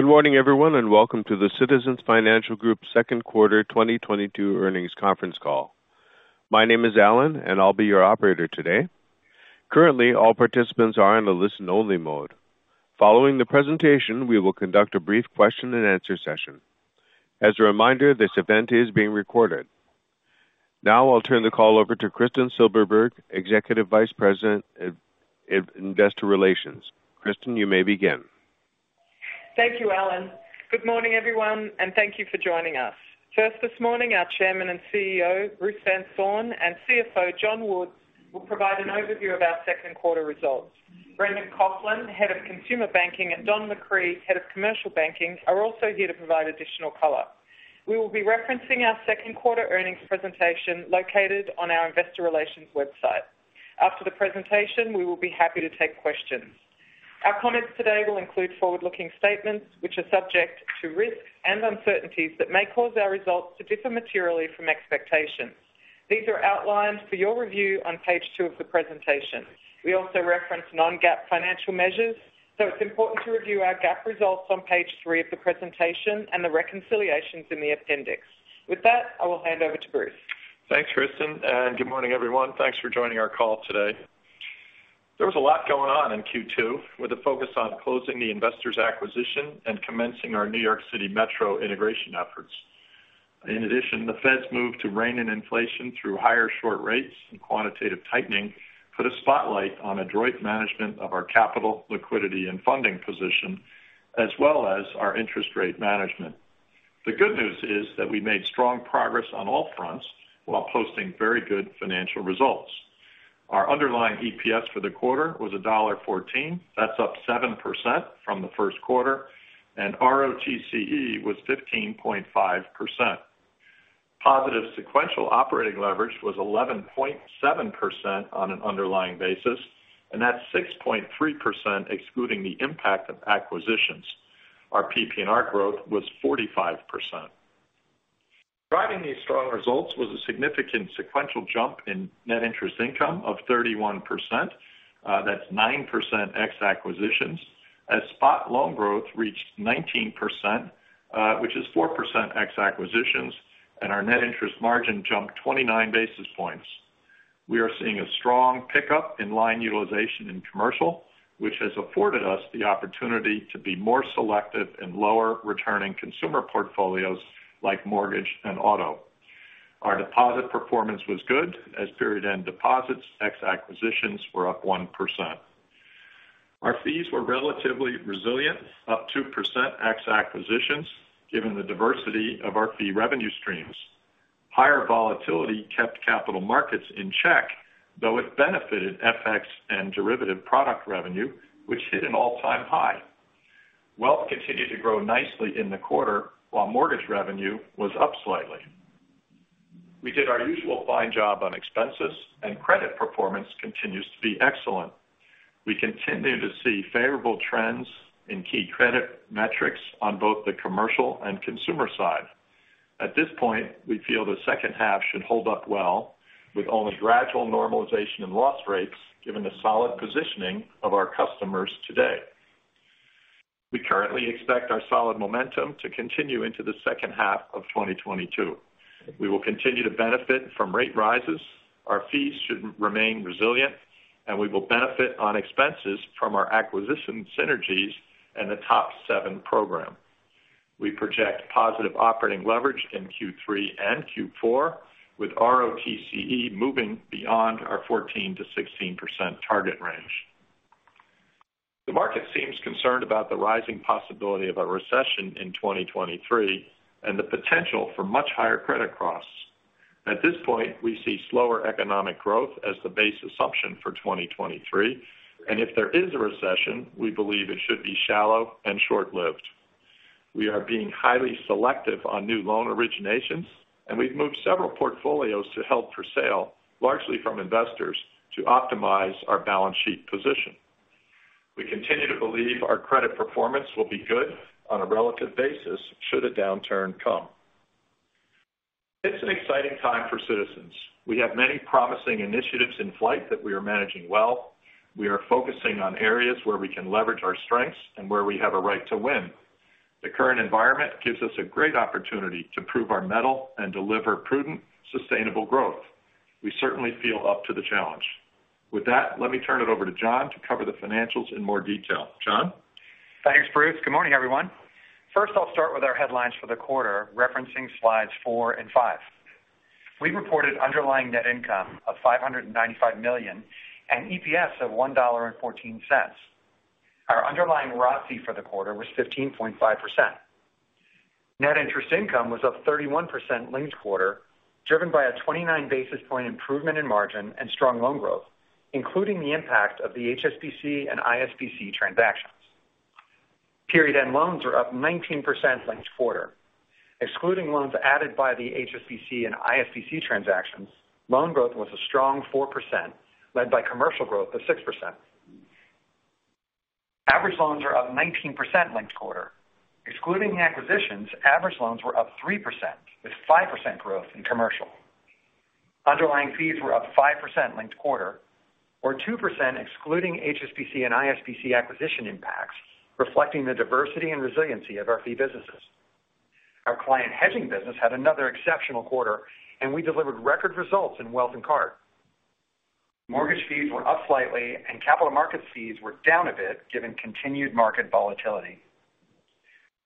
Good morning, everyone, and welcome to the Citizens Financial Group second quarter 2022 earnings conference call. My name is Alan, and I'll be your operator today. Currently, all participants are in a listen-only mode. Following the presentation, we will conduct a brief question and answer session. As a reminder, this event is being recorded. Now I'll turn the call over to Kristin Silberberg, Executive Vice President of Investor Relations. Kristin, you may begin. Thank you, Alan. Good morning, everyone, and thank you for joining us. First this morning, our Chairman and CEO, Bruce Van Saun, and CFO, John Woods, will provide an overview of our second quarter results. Brendan Coughlin, Head of Consumer Banking, and Don McCree, Head of Commercial Banking, are also here to provide additional color. We will be referencing our second quarter earnings presentation located on our investor relations website. After the presentation, we will be happy to take questions. Our comments today will include forward-looking statements which are subject to risks and uncertainties that may cause our results to differ materially from expectations. These are outlined for your review on page two of the presentation. We also reference non-GAAP financial measures, so it's important to review our GAAP results on page three of the presentation and the reconciliations in the appendix. With that, I will hand over to Bruce. Thanks, Kristin, and good morning, everyone. Thanks for joining our call today. There was a lot going on in Q2, with a focus on closing the Investors Bancorp acquisition and commencing our New York City Metro integration efforts. In addition, the Fed's move to rein in inflation through higher short rates and quantitative tightening put a spotlight on adroit management of our capital, liquidity, and funding position, as well as our interest rate management. The good news is that we made strong progress on all fronts while posting very good financial results. Our underlying EPS for the quarter was $1.14. That's up 7% from the first quarter, and ROTCE was 15.5%. Positive sequential operating leverage was 11.7% on an underlying basis, and that's 6.3% excluding the impact of acquisitions. Our PPNR growth was 45%. Driving these strong results was a significant sequential jump in net interest income of 31%. That's 9% ex acquisitions. Spot loan growth reached 19%, which is 4% ex acquisitions, and our net interest margin jumped 29 basis points. We are seeing a strong pickup in line utilization in commercial, which has afforded us the opportunity to be more selective in lower returning consumer portfolios like mortgage and auto. Our deposit performance was good as period end deposits, ex acquisitions were up 1%. Our fees were relatively resilient, up 2% ex acquisitions, given the diversity of our fee revenue streams. Higher volatility kept capital markets in check, though it benefited FX and derivative product revenue, which hit an all-time high. Wealth continued to grow nicely in the quarter, while mortgage revenue was up slightly. We did our usual fine job on expenses and credit performance continues to be excellent. We continue to see favorable trends in key credit metrics on both the commercial and consumer side. At this point, we feel the second half should hold up well with only gradual normalization in loss rates given the solid positioning of our customers today. We currently expect our solid momentum to continue into the second half of 2022. We will continue to benefit from rate rises, our fees should remain resilient, and we will benefit on expenses from our acquisition synergies and the TOP VII program. We project positive operating leverage in Q3 and Q4, with ROTCE moving beyond our 14%-16% target range. The market seems concerned about the rising possibility of a recession in 2023 and the potential for much higher credit costs. At this point, we see slower economic growth as the base assumption for 2023, and if there is a recession, we believe it should be shallow and short-lived. We are being highly selective on new loan originations, and we've moved several portfolios to held for sale, largely from Investors, to optimize our balance sheet position. We continue to believe our credit performance will be good on a relative basis should a downturn come. It's an exciting time for Citizens. We have many promising initiatives in flight that we are managing well. We are focusing on areas where we can leverage our strengths and where we have a right to win. The current environment gives us a great opportunity to prove our mettle and deliver prudent, sustainable growth. We certainly feel up to the challenge. With that, let me turn it over to John to cover the financials in more detail. John? Thanks, Bruce. Good morning, everyone. First, I'll start with our headlines for the quarter, referencing slides four and five. We reported underlying net income of $595 million and EPS of $1.14. Our underlying ROTCE for the quarter was 15.5%. Net interest income was up 31% linked-quarter, driven by a 29 basis point improvement in margin and strong loan growth, including the impact of the HSBC and ISBC transactions. Period-end loans are up 19% linked-quarter. Excluding loans added by the HSBC and ISBC transactions, loan growth was a strong 4%, led by commercial growth of 6%. Average loans are up 19% linked-quarter. Excluding acquisitions, average loans were up 3%, with 5% growth in commercial. Underlying fees were up 5% linked quarter or 2% excluding HSBC and ISBC acquisition impacts, reflecting the diversity and resiliency of our fee businesses. Our client hedging business had another exceptional quarter, and we delivered record results in wealth and card. Mortgage fees were up slightly, and capital markets fees were down a bit given continued market volatility.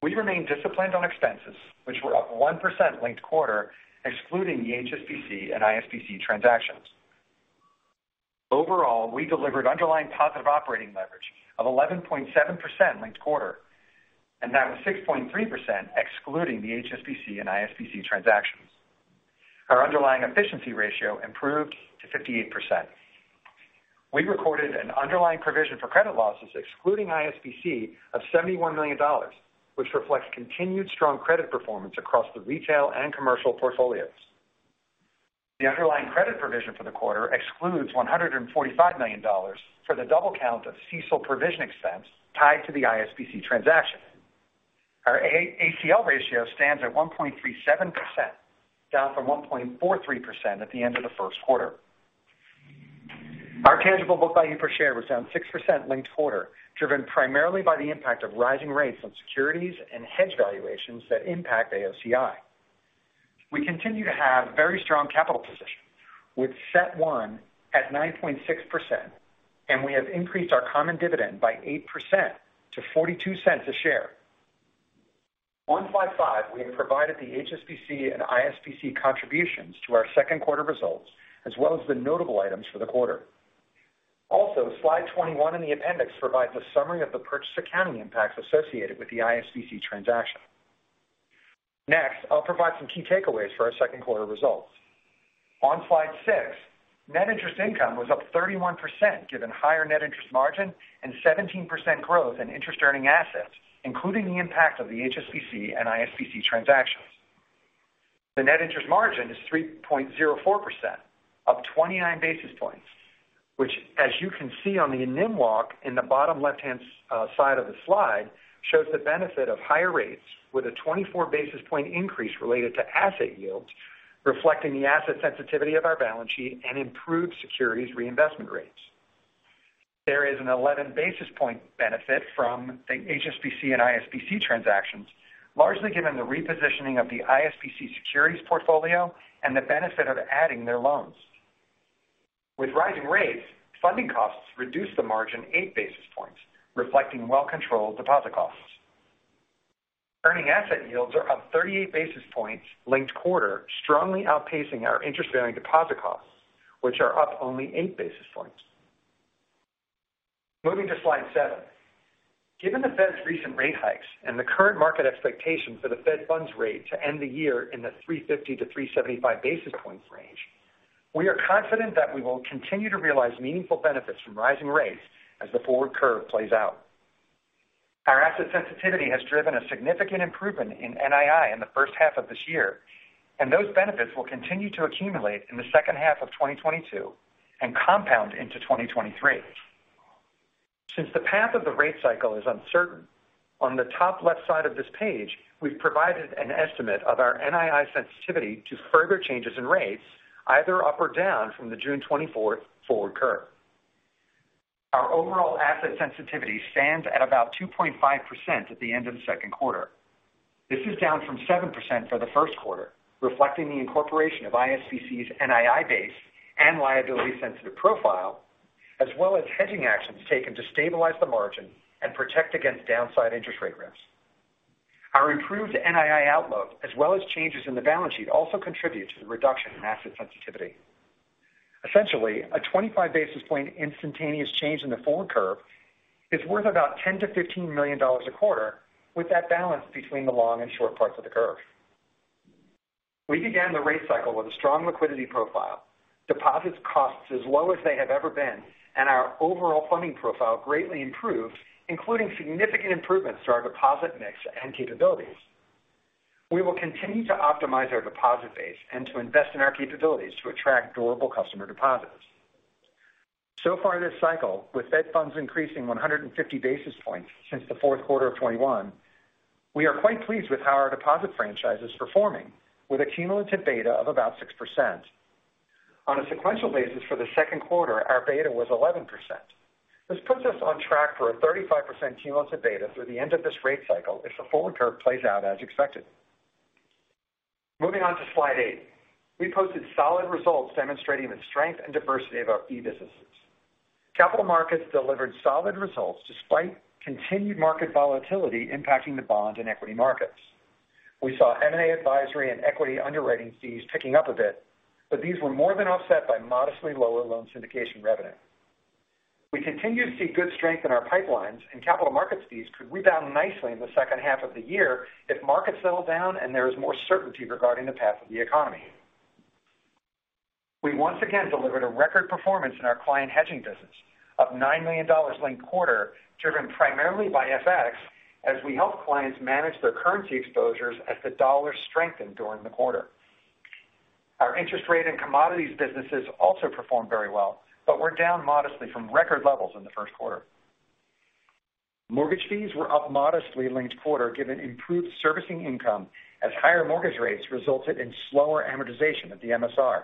We remain disciplined on expenses, which were up 1% linked quarter, excluding the HSBC and ISBC transactions. Overall, we delivered underlying positive operating leverage of 11.7% linked quarter, and that was 6.3% excluding the HSBC and ISBC transactions. Our underlying efficiency ratio improved to 58%. We recorded an underlying provision for credit losses excluding ISBC of $71 million, which reflects continued strong credit performance across the retail and commercial portfolios. The underlying credit provision for the quarter excludes $145 million for the double count of CECL provision expense tied to the ISBC transaction. Our A-ACL ratio stands at 1.37%, down from 1.43% at the end of the first quarter. Our tangible book value per share was down 6% linked quarter, driven primarily by the impact of rising rates on securities and hedge valuations that impact AOCI. We continue to have very strong capital position with CET1 at 9.6%, and we have increased our common dividend by 8% to $0.42 a share. On slide five, we have provided the HSBC and ISBC contributions to our second quarter results, as well as the notable items for the quarter. Also, slide 21 in the appendix provides a summary of the purchase accounting impacts associated with the ISBC transaction. Next, I'll provide some key takeaways for our second quarter results. On slide six, net interest income was up 31% given higher net interest margin and 17% growth in interest-earning assets, including the impact of the HSBC and ISBC transactions. The net interest margin is 3.04%, up 29 basis points, which, as you can see on the NIM walk in the bottom left-hand side of the slide, shows the benefit of higher rates with a 24 basis point increase related to asset yields reflecting the asset sensitivity of our balance sheet and improved securities reinvestment rates. There is an 11 basis point benefit from the HSBC and ISBC transactions, largely given the repositioning of the ISBC securities portfolio and the benefit of adding their loans. With rising rates, funding costs reduce the margin 8 basis points, reflecting well-controlled deposit costs. Earning asset yields are up 38 basis points linked quarter, strongly outpacing our interest-bearing deposit costs, which are up only 8 basis points. Moving to slide seven. Given the Fed's recent rate hikes and the current market expectation for the Fed funds rate to end the year in the 350-375 basis points range, we are confident that we will continue to realize meaningful benefits from rising rates as the forward curve plays out. Our asset sensitivity has driven a significant improvement in NII in the first half of this year, and those benefits will continue to accumulate in the second half of 2022 and compound into 2023. Since the path of the rate cycle is uncertain, on the top left side of this page, we've provided an estimate of our NII sensitivity to further changes in rates either up or down from the June 24 forward curve. Our overall asset sensitivity stands at about 2.5% at the end of the second quarter. This is down from 7% for the first quarter, reflecting the incorporation of ISBC's NII base and liability-sensitive profile, as well as hedging actions taken to stabilize the margin and protect against downside interest rate risks. Our improved NII outlook, as well as changes in the balance sheet, also contribute to the reduction in asset sensitivity. Essentially, a 25 basis points instantaneous change in the forward curve is worth about $10 million-$15 million a quarter with that balance between the long and short parts of the curve. We began the rate cycle with a strong liquidity profile. Deposit costs as low as they have ever been, and our overall funding profile greatly improved, including significant improvements to our deposit mix and capabilities. We will continue to optimize our deposit base and to invest in our capabilities to attract durable customer deposits. So far this cycle, with Fed funds increasing 150 basis points since the fourth quarter of 2021, we are quite pleased with how our deposit franchise is performing with a cumulative beta of about 6%. On a sequential basis for the second quarter, our beta was 11%. This puts us on track for a 35% cumulative beta through the end of this rate cycle if the forward curve plays out as expected. Moving on to slide eight. We posted solid results demonstrating the strength and diversity of our fee businesses. Capital markets delivered solid results despite continued market volatility impacting the bond and equity markets. We saw M&A advisory and equity underwriting fees ticking up a bit, but these were more than offset by modestly lower loan syndication revenue. We continue to see good strength in our pipelines, and capital markets fees could rebound nicely in the second half of the year if markets settle down and there is more certainty regarding the path of the economy. We once again delivered a record performance in our client hedging business of $9 million linked quarter, driven primarily by FX as we help clients manage their currency exposures as the dollar strengthened during the quarter. Our interest rate and commodities businesses also performed very well, but were down modestly from record levels in the first quarter. Mortgage fees were up modestly linked quarter given improved servicing income as higher mortgage rates resulted in slower amortization of the MSR.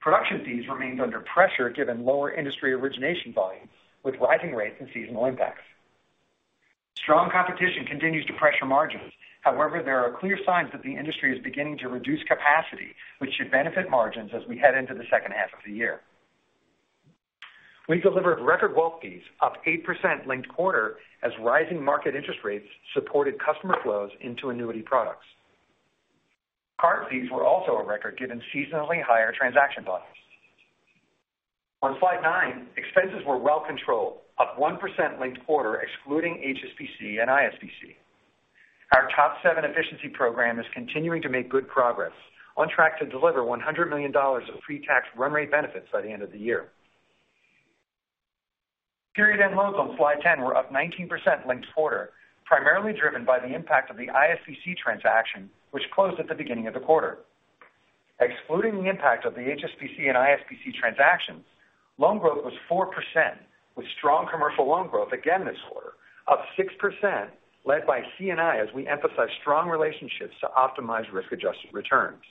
Production fees remained under pressure given lower industry origination volumes with rising rates and seasonal impacts. Strong competition continues to pressure margins. However, there are clear signs that the industry is beginning to reduce capacity, which should benefit margins as we head into the second half of the year. We delivered record wealth fees up 8% linked quarter as rising market interest rates supported customer flows into annuity products. Card fees were also a record given seasonally higher transaction volumes. On slide nine, expenses were well controlled, up 1% linked quarter excluding HSBC and ISBC. Our TOP VII efficiency program is continuing to make good progress on track to deliver $100 million of pre-tax run rate benefits by the end of the year. Period-end loans on slide 10 were up 19% linked quarter, primarily driven by the impact of the ISBC transaction which closed at the beginning of the quarter. Excluding the impact of the HSBC and ISBC transactions, loan growth was 4%, with strong commercial loan growth again this quarter, up 6% led by C&I as we emphasize strong relationships to optimize risk-adjusted returns.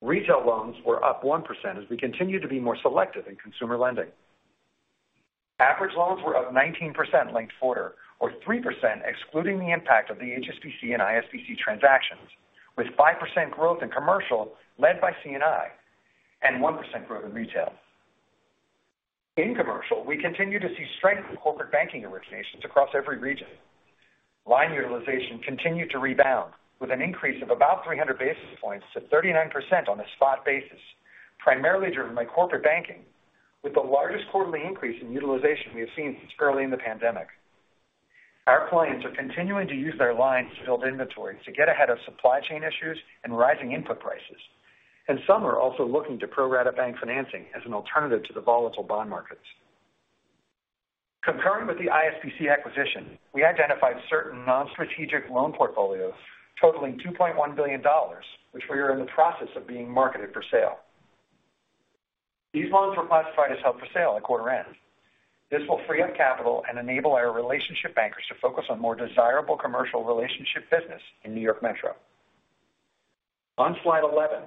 Retail loans were up 1% as we continue to be more selective in consumer lending. Average loans were up 19% linked quarter, or 3% excluding the impact of the HSBC and ISBC transactions, with 5% growth in commercial led by C&I and 1% growth in retail. In commercial, we continue to see strength in corporate banking originations across every region. Line utilization continued to rebound with an increase of about 300 basis points to 39% on a spot basis, primarily driven by corporate banking, with the largest quarterly increase in utilization we have seen since early in the pandemic. Our clients are continuing to use their lines to build inventory to get ahead of supply chain issues and rising input prices. Some are also looking to pro rata bank financing as an alternative to the volatile bond markets. Concurrent with the ISBC acquisition, we identified certain non-strategic loan portfolios totaling $2.1 billion, which we are in the process of marketing for sale. These loans were classified as held for sale at quarter-end. This will free up capital and enable our relationship bankers to focus on more desirable commercial relationship business in New York Metro. On slide 11,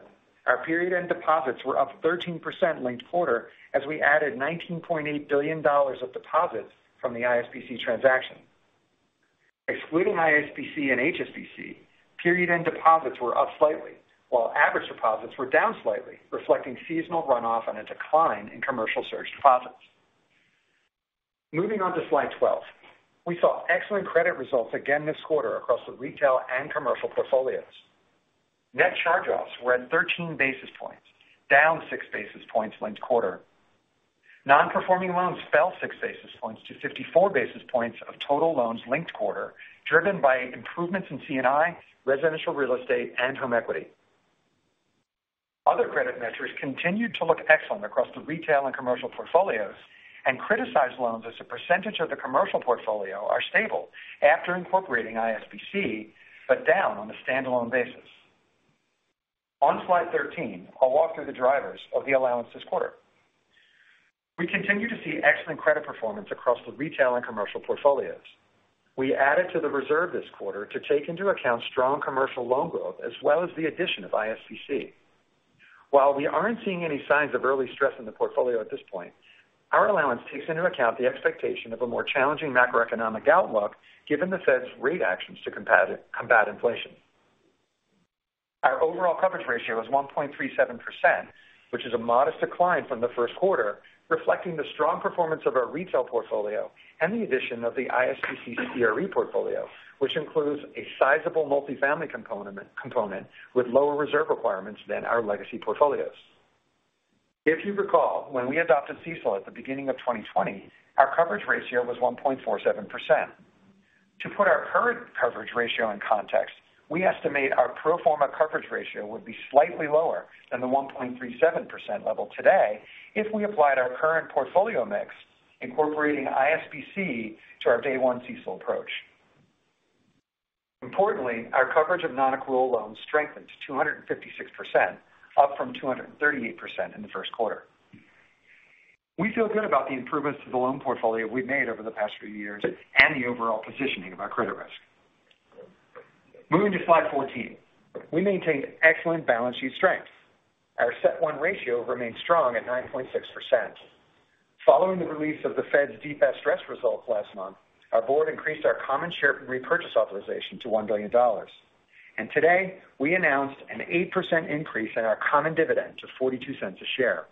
our period-end deposits were up 13% linked-quarter as we added $19.8 billion of deposits from the ISBC transaction. Excluding ISBC and HSBC, period-end deposits were up slightly, while average deposits were down slightly, reflecting seasonal runoff and a decline in commercial surge deposits. Moving on to slide 12. We saw excellent credit results again this quarter across the retail and commercial portfolios. Net charge-offs were at 13 basis points, down 6 basis points linked-quarter. Non-performing loans fell 6 basis points-54 basis points of total loans linked quarter, driven by improvements in C&I, residential real estate and home equity. Other credit metrics continued to look excellent across the retail and commercial portfolios, and criticized loans as a percentage of the commercial portfolio are stable after incorporating ISBC, but down on a standalone basis. On slide 13, I'll walk through the drivers of the allowance this quarter. We continue to see excellent credit performance across the retail and commercial portfolios. We added to the reserve this quarter to take into account strong commercial loan growth as well as the addition of ISBC. While we aren't seeing any signs of early stress in the portfolio at this point, our allowance takes into account the expectation of a more challenging macroeconomic outlook given the Fed's rate actions to combat inflation. Our overall coverage ratio is 1.37%, which is a modest decline from the first quarter, reflecting the strong performance of our retail portfolio and the addition of the ISBC CRE portfolio, which includes a sizable multifamily component with lower reserve requirements than our legacy portfolios. If you recall, when we adopted CECL at the beginning of 2020, our coverage ratio was 1.47%. To put our current coverage ratio in context, we estimate our pro forma coverage ratio would be slightly lower than the 1.37% level today if we applied our current portfolio mix incorporating ISBC to our day one CECL approach. Importantly, our coverage of nonaccrual loans strengthened to 256%, up from 238% in the first quarter. We feel good about the improvements to the loan portfolio we've made over the past few years and the overall positioning of our credit risk. Moving to slide 14. We maintained excellent balance sheet strength. Our CET1 ratio remained strong at 9.6%. Following the release of the Fed's deep stress results last month, our board increased our common share repurchase authorization to $1 billion. Today, we announced an 8% increase in our common dividend to $0.42 a share.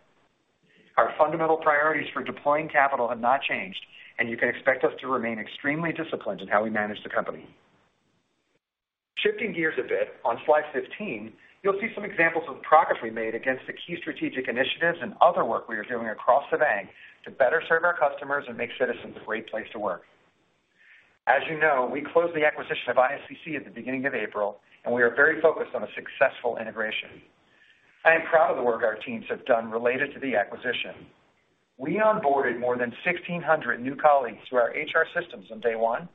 Our fundamental priorities for deploying capital have not changed, and you can expect us to remain extremely disciplined in how we manage the company. Shifting gears a bit on slide 15, you'll see some examples of the progress we made against the key strategic initiatives and other work we are doing across the bank to better serve our customers and make Citizens a great place to work. As you know, we closed the acquisition of ISBC at the beginning of April, and we are very focused on a successful integration. I am proud of the work our teams have done related to the acquisition. We onboarded more than 1,600 new colleagues through our HR systems on day one,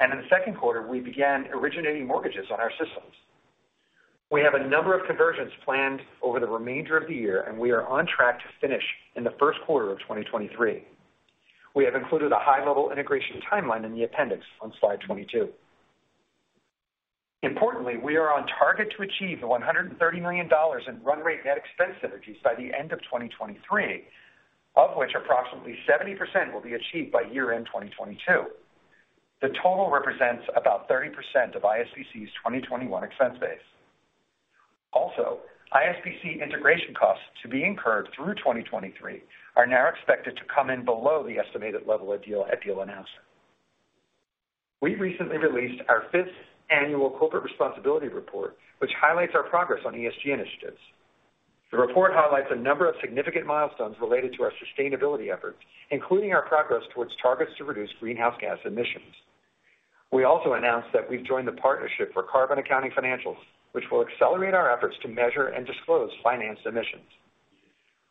and in the second quarter, we began originating mortgages on our systems. We have a number of conversions planned over the remainder of the year, and we are on track to finish in the first quarter of 2023. We have included a high-level integration timeline in the appendix on slide 22. Importantly, we are on target to achieve $130 million in run rate net expense synergies by the end of 2023, of which approximately 70% will be achieved by year-end 2022. The total represents about 30% of ISBC's 2021 expense base. Also, ISBC integration costs to be incurred through 2023 are now expected to come in below the estimated level at deal announcement. We recently released our fifth annual corporate responsibility report, which highlights our progress on ESG initiatives. The report highlights a number of significant milestones related to our sustainability efforts, including our progress towards targets to reduce greenhouse gas emissions. We also announced that we've joined the Partnership for Carbon Accounting Financials, which will accelerate our efforts to measure and disclose financed emissions.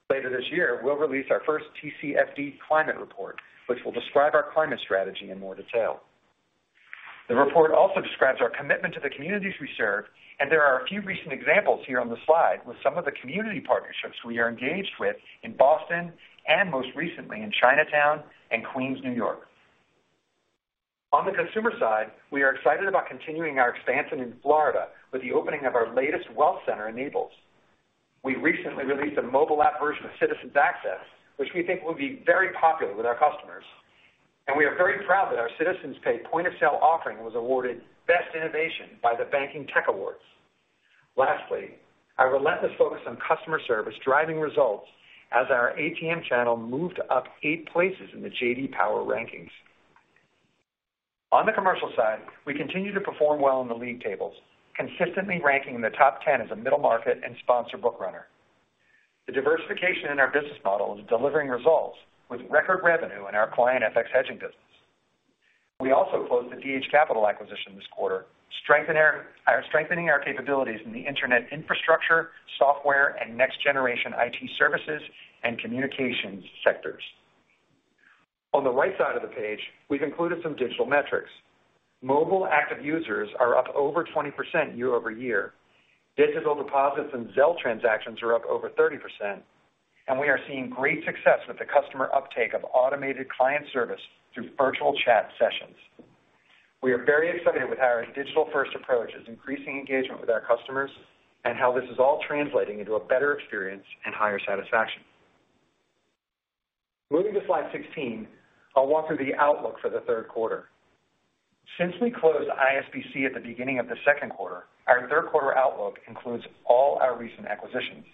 Later this year, we'll release our first TCFD climate report, which will describe our climate strategy in more detail. The report also describes our commitment to the communities we serve, and there are a few recent examples here on the slide with some of the community partnerships we are engaged with in Boston and most recently in Chinatown and Queens, New York. On the consumer side, we are excited about continuing our expansion in Florida with the opening of our latest wealth center in Naples. We recently released a mobile app version of Citizens Access, which we think will be very popular with our customers, and we are very proud that our Citizens Pay point-of-sale offering was awarded Best Innovation by the Banking Tech Awards. Lastly, our relentless focus on customer service driving results as our ATM channel moved up eight places in the J.D. Power rankings. On the commercial side, we continue to perform well in the league tables, consistently ranking in the top 10 as a middle market and sponsor book runner. The diversification in our business model is delivering results with record revenue in our client FX hedging business. We also closed the DH Capital acquisition this quarter, strengthening our capabilities in the internet infrastructure, software and next-generation IT services and communications sectors. On the right side of the page, we've included some digital metrics. Mobile active users are up over 20% year-over-year. Digital deposits and Zelle transactions are up over 30%, and we are seeing great success with the customer uptake of automated client service through virtual chat sessions. We are very excited with how our digital-first approach is increasing engagement with our customers and how this is all translating into a better experience and higher satisfaction. Moving to slide 16, I'll walk through the outlook for the third quarter. Since we closed ISBC at the beginning of the second quarter, our third quarter outlook includes all our recent acquisitions.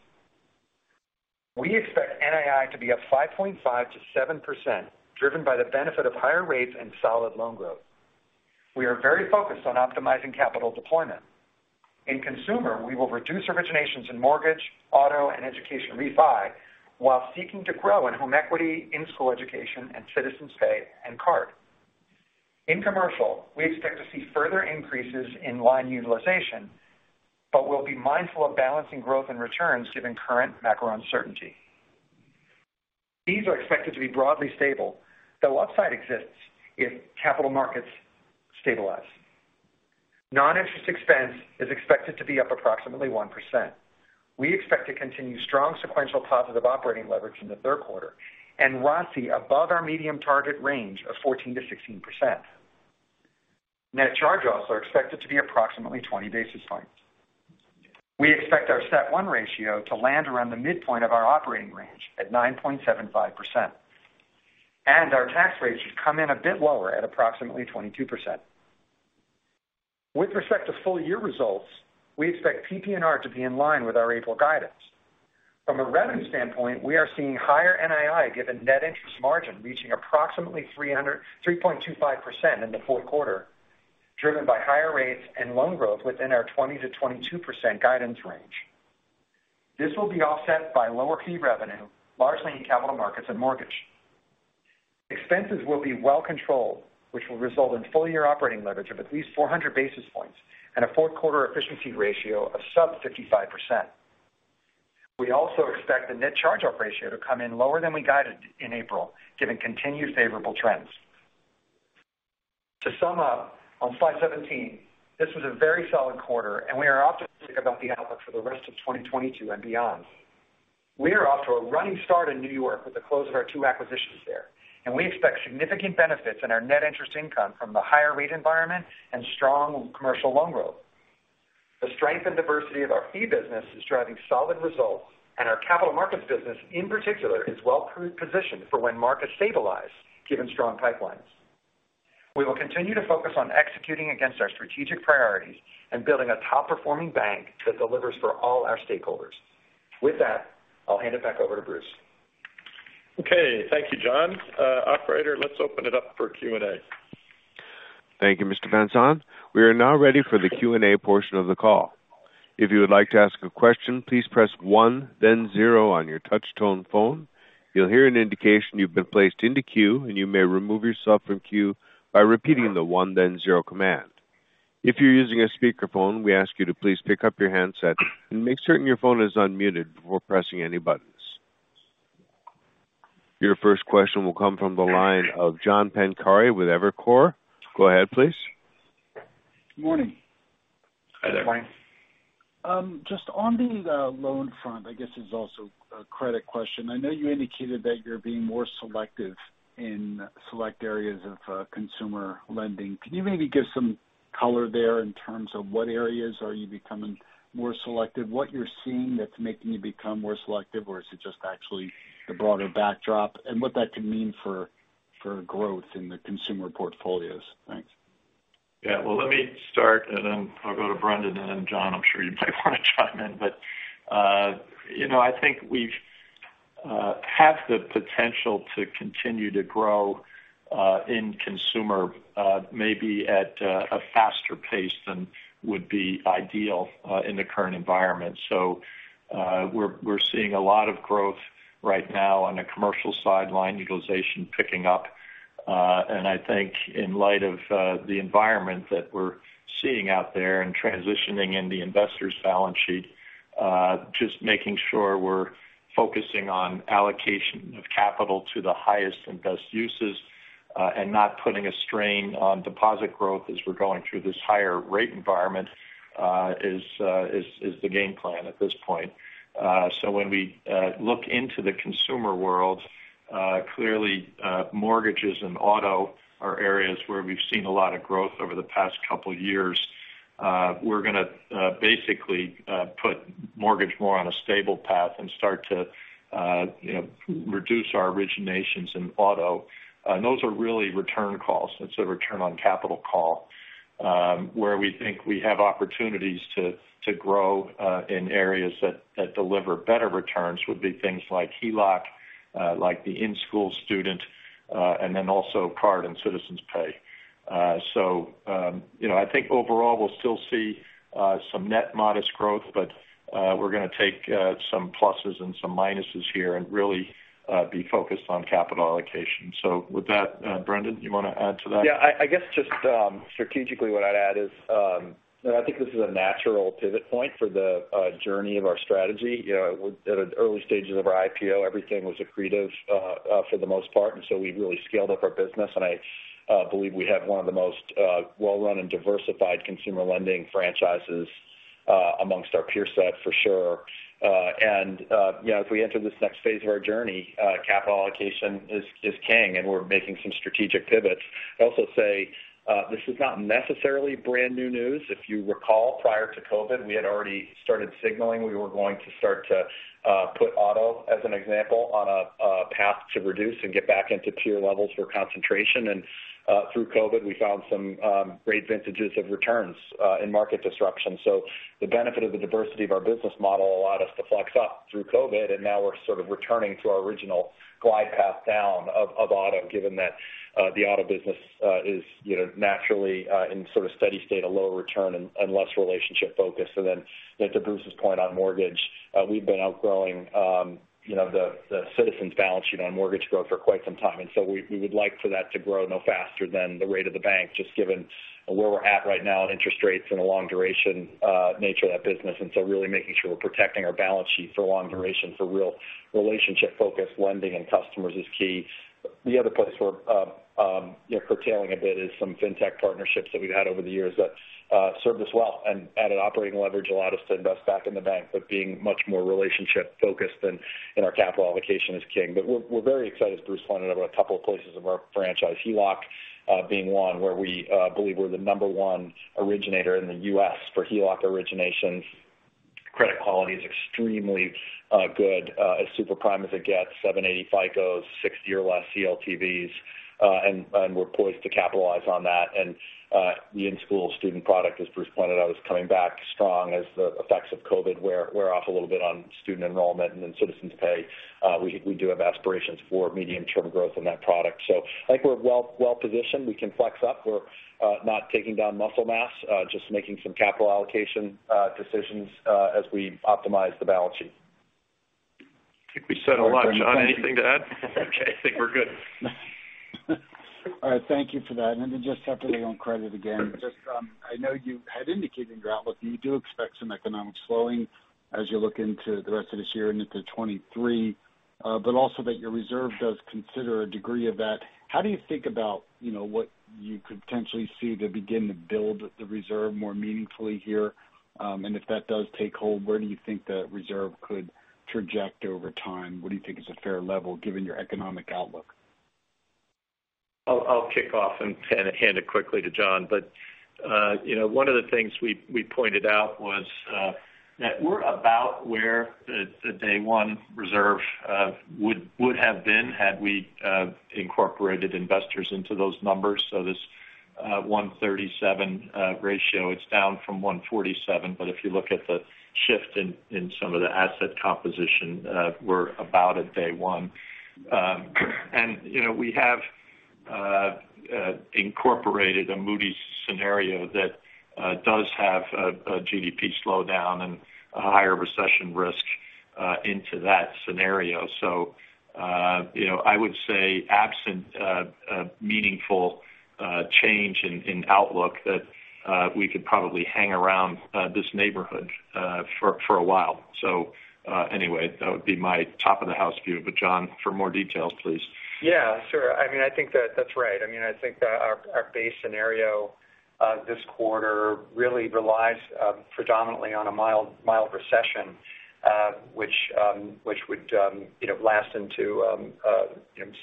We expect NII to be up 5.5%-7%, driven by the benefit of higher rates and solid loan growth. We are very focused on optimizing capital deployment. In consumer, we will reduce originations in mortgage, auto, and education refi while seeking to grow in home equity, in-school education, and Citizens Pay and Card. In commercial, we expect to see further increases in line utilization, but we'll be mindful of balancing growth and returns given current macro uncertainty. Fees are expected to be broadly stable, though upside exists if capital markets stabilize. Non-interest expense is expected to be up approximately 1%. We expect to continue strong sequential positive operating leverage in the third quarter and ROC above our medium target range of 14%-16%. Net charge-offs are expected to be approximately 20 basis points. We expect our CET1 ratio to land around the midpoint of our operating range at 9.75%, and our tax rate should come in a bit lower at approximately 22%. With respect to full-year results, we expect PPNR to be in line with our April guidance. From a revenue standpoint, we are seeing higher NII given net interest margin reaching approximately 3.25% in the fourth quarter, driven by higher rates and loan growth within our 20%-22% guidance range. This will be offset by lower fee revenue, largely in capital markets and mortgage. Expenses will be well controlled, which will result in full-year operating leverage of at least 400 basis points and a fourth quarter efficiency ratio of sub 55%. We also expect the net charge-off ratio to come in lower than we guided in April, given continued favorable trends. To sum up, on slide 17, this was a very solid quarter and we are optimistic about the outlook for the rest of 2022 and beyond. We are off to a running start in New York with the close of our two acquisitions there, and we expect significant benefits in our net interest income from the higher rate environment and strong commercial loan growth. The strength and diversity of our fee business is driving solid results, and our capital markets business in particular is well-positioned for when markets stabilize given strong pipelines. We will continue to focus on executing against our strategic priorities and building a top-performing bank that delivers for all our stakeholders. With that, I'll hand it back over to Bruce. Okay. Thank you, John. Operator, let's open it up for Q&A. Thank you, Mr. Van Saun. We are now ready for the Q&A portion of the call. If you would like to ask a question, please press one, then zero on your touch tone phone. You'll hear an indication you've been placed into queue, and you may remove yourself from queue by repeating the one, then zero command. If you're using a speakerphone, we ask you to please pick up your handset and make certain your phone is unmuted before pressing any buttons. Your first question will come from the line of John Pancari with Evercore. Go ahead, please. Good morning. Hi there. Just on the loan front, I guess it's also a credit question. I know you indicated that you're being more selective in select areas of consumer lending. Can you maybe give some color there in terms of what areas are you becoming more selective? What you're seeing that's making you become more selective, or is it just actually the broader backdrop and what that could mean for growth in the consumer portfolios? Thanks. Yeah. Well, let me start and then I'll go to Brendan, and then John, I'm sure you might want to chime in. You know, I think we have the potential to continue to grow in consumer, maybe at a faster pace than would be ideal in the current environment. We're seeing a lot of growth right now on the commercial side, line utilization picking up. I think in light of the environment that we're seeing out there and transitioning in the investors' balance sheet, just making sure we're focusing on allocation of capital to the highest and best uses, and not putting a strain on deposit growth as we're going through this higher rate environment, is the game plan at this point. When we look into the consumer world, clearly, mortgages and auto are areas where we've seen a lot of growth over the past couple years. We're gonna basically put mortgage more on a stable path and start to you know reduce our originations in auto. Those are really return calls. It's a return on capital call. Where we think we have opportunities to grow in areas that deliver better returns would be things like HELOC, like the in-school student, and then also Card and Citizens Pay. You know, I think overall we'll still see some net modest growth, but we're gonna take some pluses and some minuses here and really be focused on capital allocation. With that, Brendan, you want to add to that? Yeah. I guess just strategically what I'd add is, you know, I think this is a natural pivot point for the journey of our strategy. You know, in the early stages of our IPO, everything was accretive for the most part, and so we really scaled up our business. I believe we have one of the most well-run and diversified consumer lending franchises among our peer set for sure. You know, as we enter this next phase of our journey, capital allocation is king, and we're making some strategic pivots. I'd also say, this is not necessarily brand new news. If you recall, prior to COVID, we had already started signaling we were going to put auto as an example, on a path to reduce and get back into peer levels for concentration. Through COVID, we found some great vintages of returns in market disruption. The benefit of the diversity of our business model allowed us to flex up through COVID, and now we're sort of returning to our original glide path down of auto, given that the auto business is, you know, naturally in sort of steady state, a lower return and less relationship-focused. To Bruce's point on mortgage, we've been outgrowing you know, the Citizens' balance sheet on mortgage growth for quite some time. We would like for that to grow no faster than the rate of the bank, just given where we're at right now in interest rates and the long duration nature of that business. Really making sure we're protecting our balance sheet for long duration for real relationship-focused lending and customers is key. The other place we're you know, curtailing a bit is some fintech partnerships that we've had over the years that served us well and added operating leverage, allowed us to invest back in the bank, but being much more relationship-focused than in our capital allocation is king. We're very excited, as Bruce pointed out, about a couple of places of our franchise. HELOC being one where we believe we're the number one originator in the U.S. for HELOC originations. Credit quality is extremely good. As super prime as it gets, 780 FICOs, 60% or less CLTVs, and we're poised to capitalize on that. The in-school student product, as Bruce pointed out, is coming back strong as the effects of COVID wear off a little bit on student enrollment. Citizens Pay, we do have aspirations for medium-term growth in that product. I think we're well-positioned. We can flex up. We're not taking down muscle mass, just making some capital allocation decisions, as we optimize the balance sheet. I think we said a lot. John, anything to add? Okay. I think we're good. All right. Thank you for that. Just separately on credit again, just, I know you had indicated in your outlook that you do expect some economic slowing as you look into the rest of this year and into 2023, but also that your reserve does consider a degree of that. How do you think about, you know, what you could potentially see to begin to build the reserve more meaningfully here? If that does take hold, where do you think the reserve could project over time? What do you think is a fair level given your economic outlook? I'll kick off and hand it quickly to John. You know, one of the things we pointed out was that we're about where the day one reserve would have been had we incorporated Investors into those numbers. This 137 ratio, it's down from 147, but if you look at the shift in some of the asset composition, we're about at day one. You know, we have incorporated a Moody's scenario that does have a GDP slowdown and a higher recession risk into that scenario. You know, I would say absent a meaningful change in outlook that we could probably hang around this neighborhood for a while. Anyway, that would be my top of the house view. John, for more details, please. Yeah, sure. I mean, I think that's right. I mean, I think that our base scenario this quarter really relies predominantly on a mild recession which would you know last into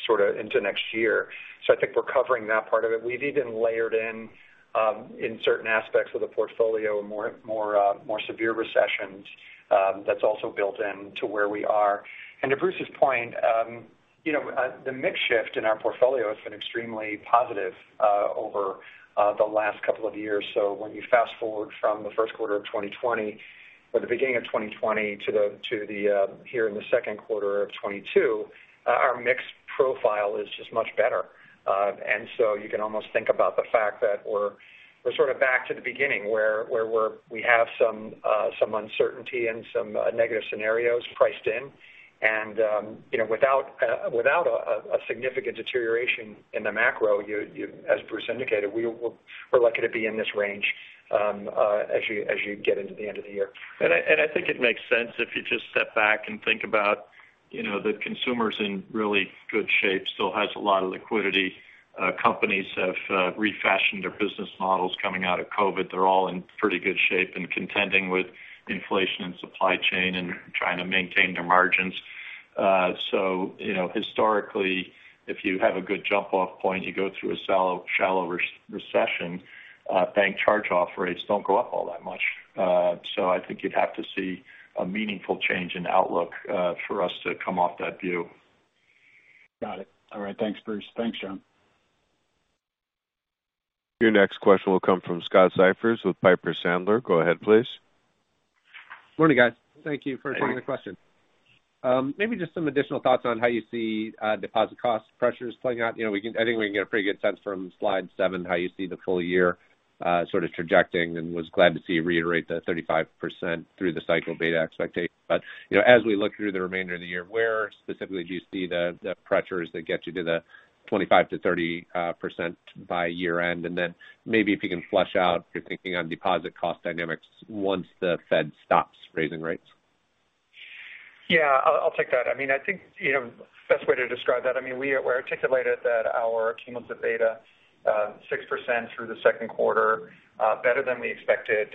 sort of into next year. I think we're covering that part of it. We've even layered in certain aspects of the portfolio more severe recessions that's also built into where we are. To Bruce's point, you know, the mix shift in our portfolio has been extremely positive over the last couple of years. When you fast-forward from the first quarter of 2020, or the beginning of 2020 to the here in the second quarter of 2022, our mix profile is just much better. You can almost think about the fact that we're sort of back to the beginning where we have some uncertainty and some negative scenarios priced in. You know, without a significant deterioration in the macro, you as Bruce indicated, we're lucky to be in this range, as you get into the end of the year. I think it makes sense if you just step back and think about, you know, the consumer's in really good shape, still has a lot of liquidity. Companies have refashioned their business models coming out of COVID. They're all in pretty good shape and contending with inflation and supply chain and trying to maintain their margins. You know, historically, if you have a good jump-off point, you go through a shallow recession, bank charge-off rates don't go up all that much. I think you'd have to see a meaningful change in outlook for us to come off that view. Got it. All right. Thanks, Bruce. Thanks, John. Your next question will come from Scott Siefers with Piper Sandler. Go ahead, please. Morning, guys. Thank you for taking the question. Maybe just some additional thoughts on how you see deposit cost pressures playing out. You know, I think we can get a pretty good sense from slide seven how you see the full year sort of projecting, and was glad to see you reiterate the 35% through the cycle beta expectation. You know, as we look through the remainder of the year, where specifically do you see the pressures that get you to the 25%-30% by year-end? And then maybe if you can flesh out your thinking on deposit cost dynamics once the Fed stops raising rates. Yeah, I'll take that. I mean, I think, you know, best way to describe that, I mean, we articulated that our cumulative beta 6% through the second quarter, better than we expected.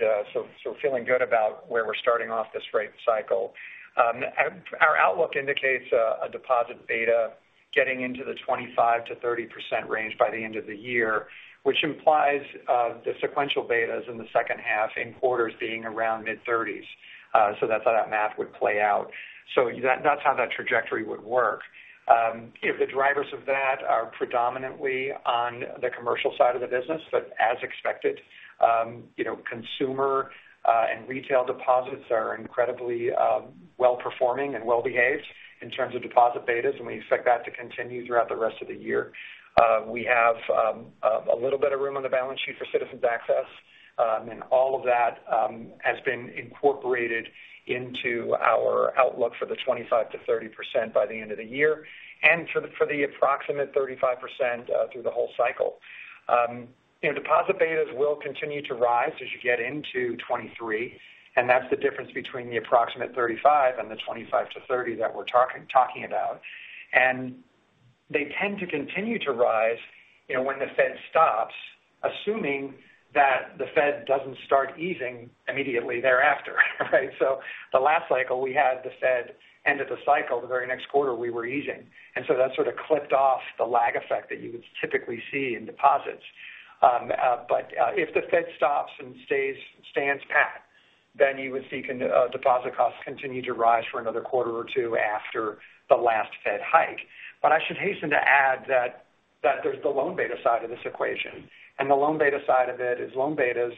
Feeling good about where we're starting off this rate cycle. Our outlook indicates a deposit beta getting into the 25%-30% range by the end of the year, which implies the sequential betas in the second half in quarters being around mid-30s. That's how that math would play out. That's how that trajectory would work. If the drivers of that are predominantly on the commercial side of the business, but as expected, you know, consumer and retail deposits are incredibly well-performing and well-behaved in terms of deposit betas, and we expect that to continue throughout the rest of the year. We have a little bit of room on the balance sheet for Citizens Access, and all of that has been incorporated into our outlook for the 25%-30% by the end of the year and for the approximate 35% through the whole cycle. You know, deposit betas will continue to rise as you get into 2023, and that's the difference between the approximate 35% and the 25%-30% that we're talking about. They tend to continue to rise, you know, when the Fed stops, assuming that the Fed doesn't start easing immediately thereafter, right? The last cycle, we had the Fed at the end of the cycle, the very next quarter we were easing. That sort of clipped off the lag effect that you would typically see in deposits. If the Fed stops and stands pat, then you would see deposit costs continue to rise for another quarter or two after the last Fed hike. I should hasten to add that there's the loan beta side of this equation. The loan beta side of it is loan betas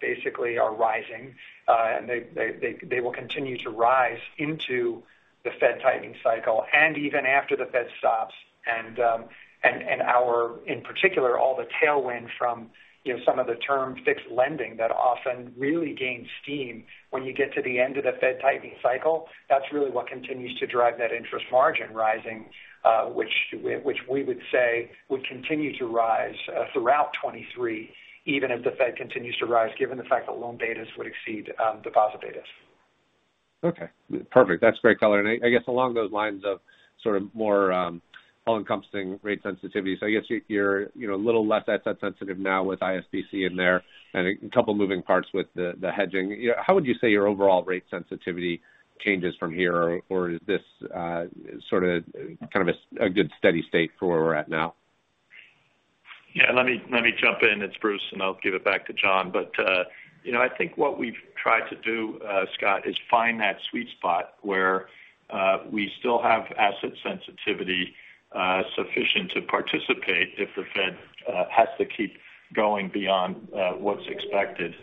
basically are rising, and they will continue to rise into the Fed tightening cycle and even after the Fed stops. Our, in particular, all the tailwind from, you know, some of the term fixed lending that often really gains steam when you get to the end of the Fed tightening cycle. That's really what continues to drive net interest margin rising, which we would say would continue to rise throughout 2023, even as the Fed continues to raise, given the fact that loan betas would exceed deposit betas. Okay. Perfect. That's great color. I guess along those lines of sort of more all-encompassing rate sensitivity. I guess you're, you know, a little less asset sensitive now with ISBC in there and a couple moving parts with the hedging. You know, how would you say your overall rate sensitivity changes from here? Or is this sort of kind of a good steady state for where we're at now? Yeah, let me jump in. It's Bruce, and I'll give it back to John. You know, I think what we've tried to do, Scott, is find that sweet spot where we still have asset sensitivity sufficient to participate if the Fed has to keep going beyond what's expected.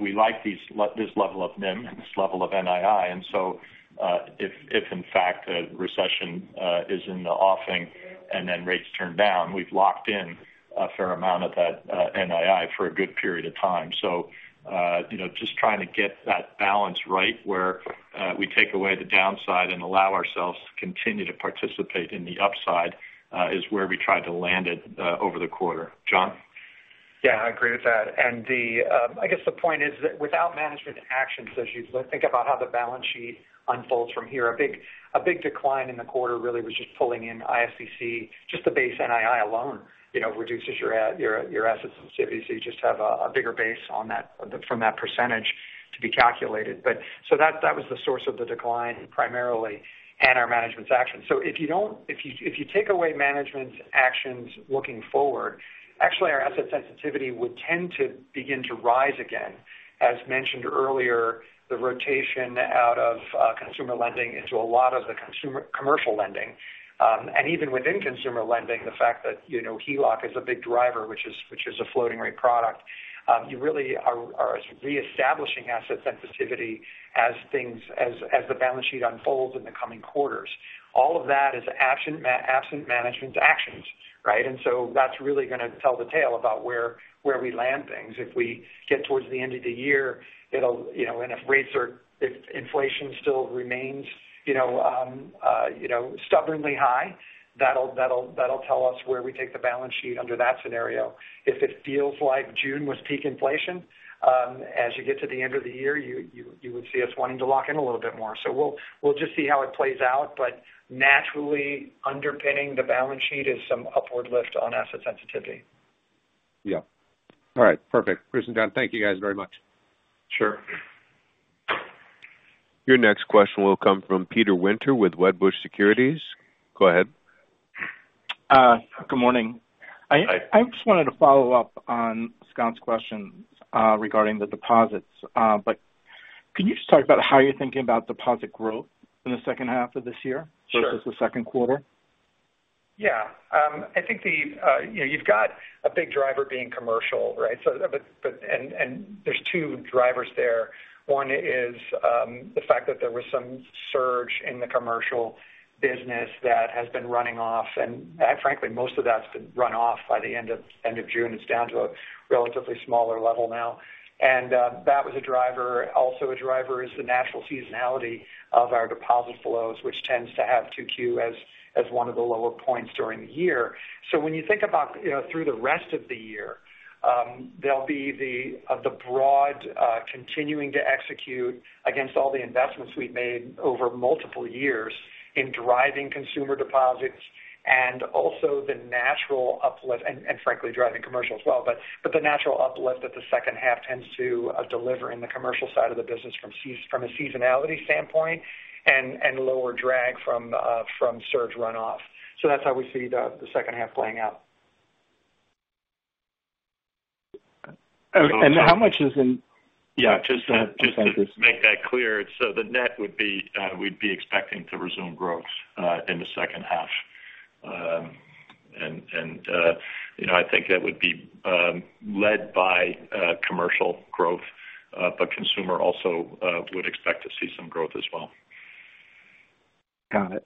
We like this level of NIM and this level of NII. If in fact a recession is in the offing and then rates turn down, we've locked in a fair amount of that NII for a good period of time. You know, just trying to get that balance right where we take away the downside and allow ourselves to continue to participate in the upside is where we tried to land it over the quarter. John? Yeah, I agree with that. The point is that without management actions, as you think about how the balance sheet unfolds from here, a big decline in the quarter really was just pulling in ISBC. Just the base NII alone, you know, reduces your asset sensitivity, so you just have a bigger base on that from that percentage to be calculated. That was the source of the decline primarily and our management's action. If you take away management's actions looking forward, actually our asset sensitivity would tend to begin to rise again. As mentioned earlier, the rotation out of consumer lending into a lot of the commercial lending. Even within consumer lending, the fact that, you know, HELOC is a big driver, which is a floating-rate product, you really are reestablishing asset sensitivity as things, as the balance sheet unfolds in the coming quarters. All of that is absent management's actions, right? That's really gonna tell the tale about where we land things. If we get towards the end of the year, it'll, you know, and if rates are, if inflation still remains, you know, stubbornly high, that'll tell us where we take the balance sheet under that scenario. If it feels like June was peak inflation, as you get to the end of the year, you would see us wanting to lock in a little bit more. We'll just see how it plays out, but naturally underpinning the balance sheet is some upward lift on asset sensitivity. Yeah. All right. Perfect. Chris and John, thank you guys very much. Sure. Your next question will come from Peter Winter with Wedbush Securities. Go ahead. Good morning. Hi. I just wanted to follow up on Scott's question regarding the deposits. Could you just talk about how you're thinking about deposit growth in the second half of this year? Sure. versus the second quarter? Yeah. I think, you know, you've got a big driver being commercial, right? There's two drivers there. One is the fact that there was some surge in the commercial business that has been running off. Frankly, most of that's been run off by the end of June. It's down to a relatively smaller level now. That was a driver. Also a driver is the natural seasonality of our deposit flows, which tends to have 2Q as one of the lower points during the year. When you think about, you know, through the rest of the year, there'll be the broad continuing to execute against all the investments we've made over multiple years in driving consumer deposits and also the natural uplift and frankly driving commercial as well. The natural uplift that the second half tends to deliver in the commercial side of the business from a seasonality standpoint and lower drag from surge runoff. That's how we see the second half playing out. Okay. How much is in- Yeah. I'm sorry. Just to make that clear, so the net would be, we'd be expecting to resume growth in the second half. You know, I think that would be led by commercial growth, but consumer also would expect to see some growth as well. Got it.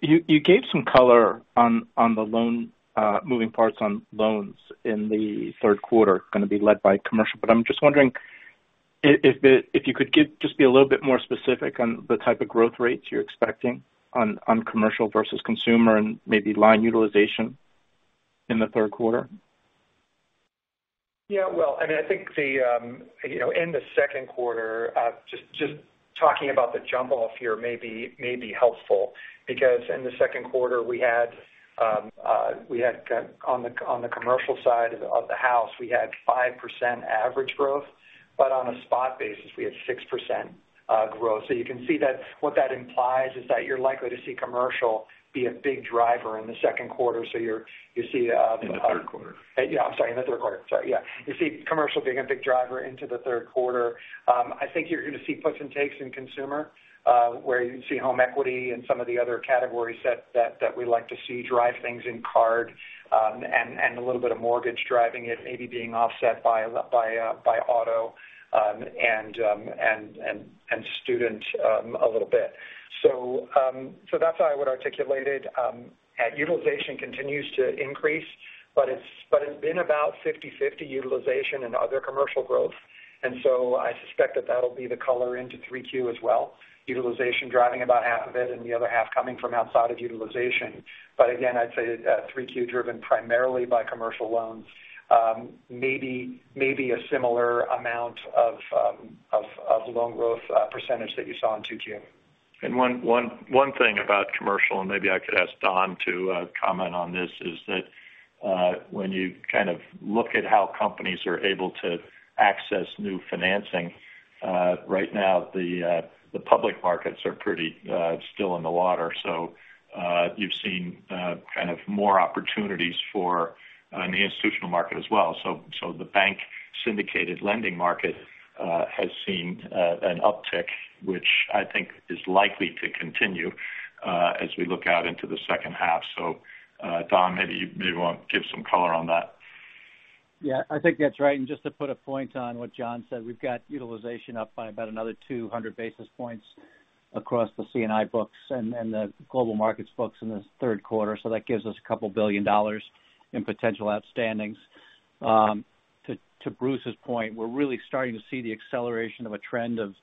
You gave some color on the loan moving parts on loans in the third quarter gonna be led by commercial. I'm just wondering if you could give us a little bit more specific on the type of growth rates you're expecting on commercial versus consumer and maybe line utilization in the third quarter. Well, I mean, I think you know, in the second quarter, just talking about the numbers here maybe helpful because in the second quarter we had C&I on the commercial side of the house, we had 5% average growth, but on a spot basis, we had 6% growth. You can see that what that implies is that you're likely to see commercial be a big driver in the second quarter. In the third quarter. You see commercial being a big driver into the third quarter. I think you're gonna see puts and takes in consumer, where you see home equity and some of the other categories that we like to see drive things in card, and a little bit of mortgage driving it maybe being offset by auto and student, a little bit. That's how I would articulate it. Utilization continues to increase, but it's been about 50/50 utilization and other commercial growth. I suspect that that'll be the color into 3Q as well. Utilization driving about half of it and the other half coming from outside of utilization. I'd say that 3Q driven primarily by commercial loans may be a similar amount of loan growth percentage that you saw in 2Q. One thing about commercial, and maybe I could ask Don to comment on this, is that when you kind of look at how companies are able to access new financing, right now the public markets are pretty underwater. You've seen kind of more opportunities in the institutional market as well. The bank syndicated lending market has seen an uptick, which I think is likely to continue as we look out into the second half. Don, maybe you want to give some color on that. Yeah, I think that's right. Just to put a point on what John said, we've got utilization up by about another 200 basis points across the C&I books and the global markets books in this third quarter. That gives us $2 billion in potential outstandings. To Bruce's point, we're really starting to see the acceleration of a trend of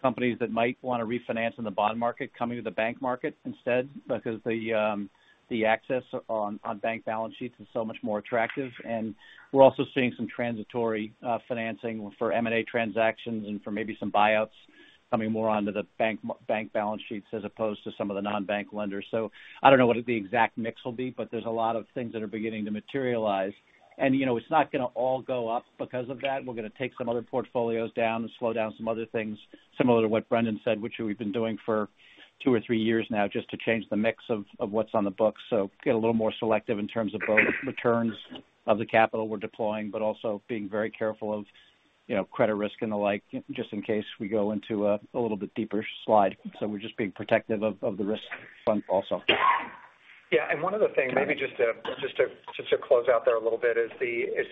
companies that might wanna refinance in the bond market coming to the bank market instead because the access on bank balance sheets is so much more attractive. We're also seeing some transitory financing for M&A transactions and for maybe some buyouts coming more onto the bank balance sheets as opposed to some of the non-bank lenders. I don't know what the exact mix will be, but there's a lot of things that are beginning to materialize. You know, it's not gonna all go up because of that. We're gonna take some other portfolios down and slow down some other things, similar to what Brendan said, which we've been doing for two or three years now, just to change the mix of what's on the books. Get a little more selective in terms of both returns of the capital we're deploying, but also being very careful of, you know, credit risk and the like, just in case we go into a little bit deeper slide. We're just being protective of the risk front also. Yeah. One other thing, maybe just to close out there a little bit is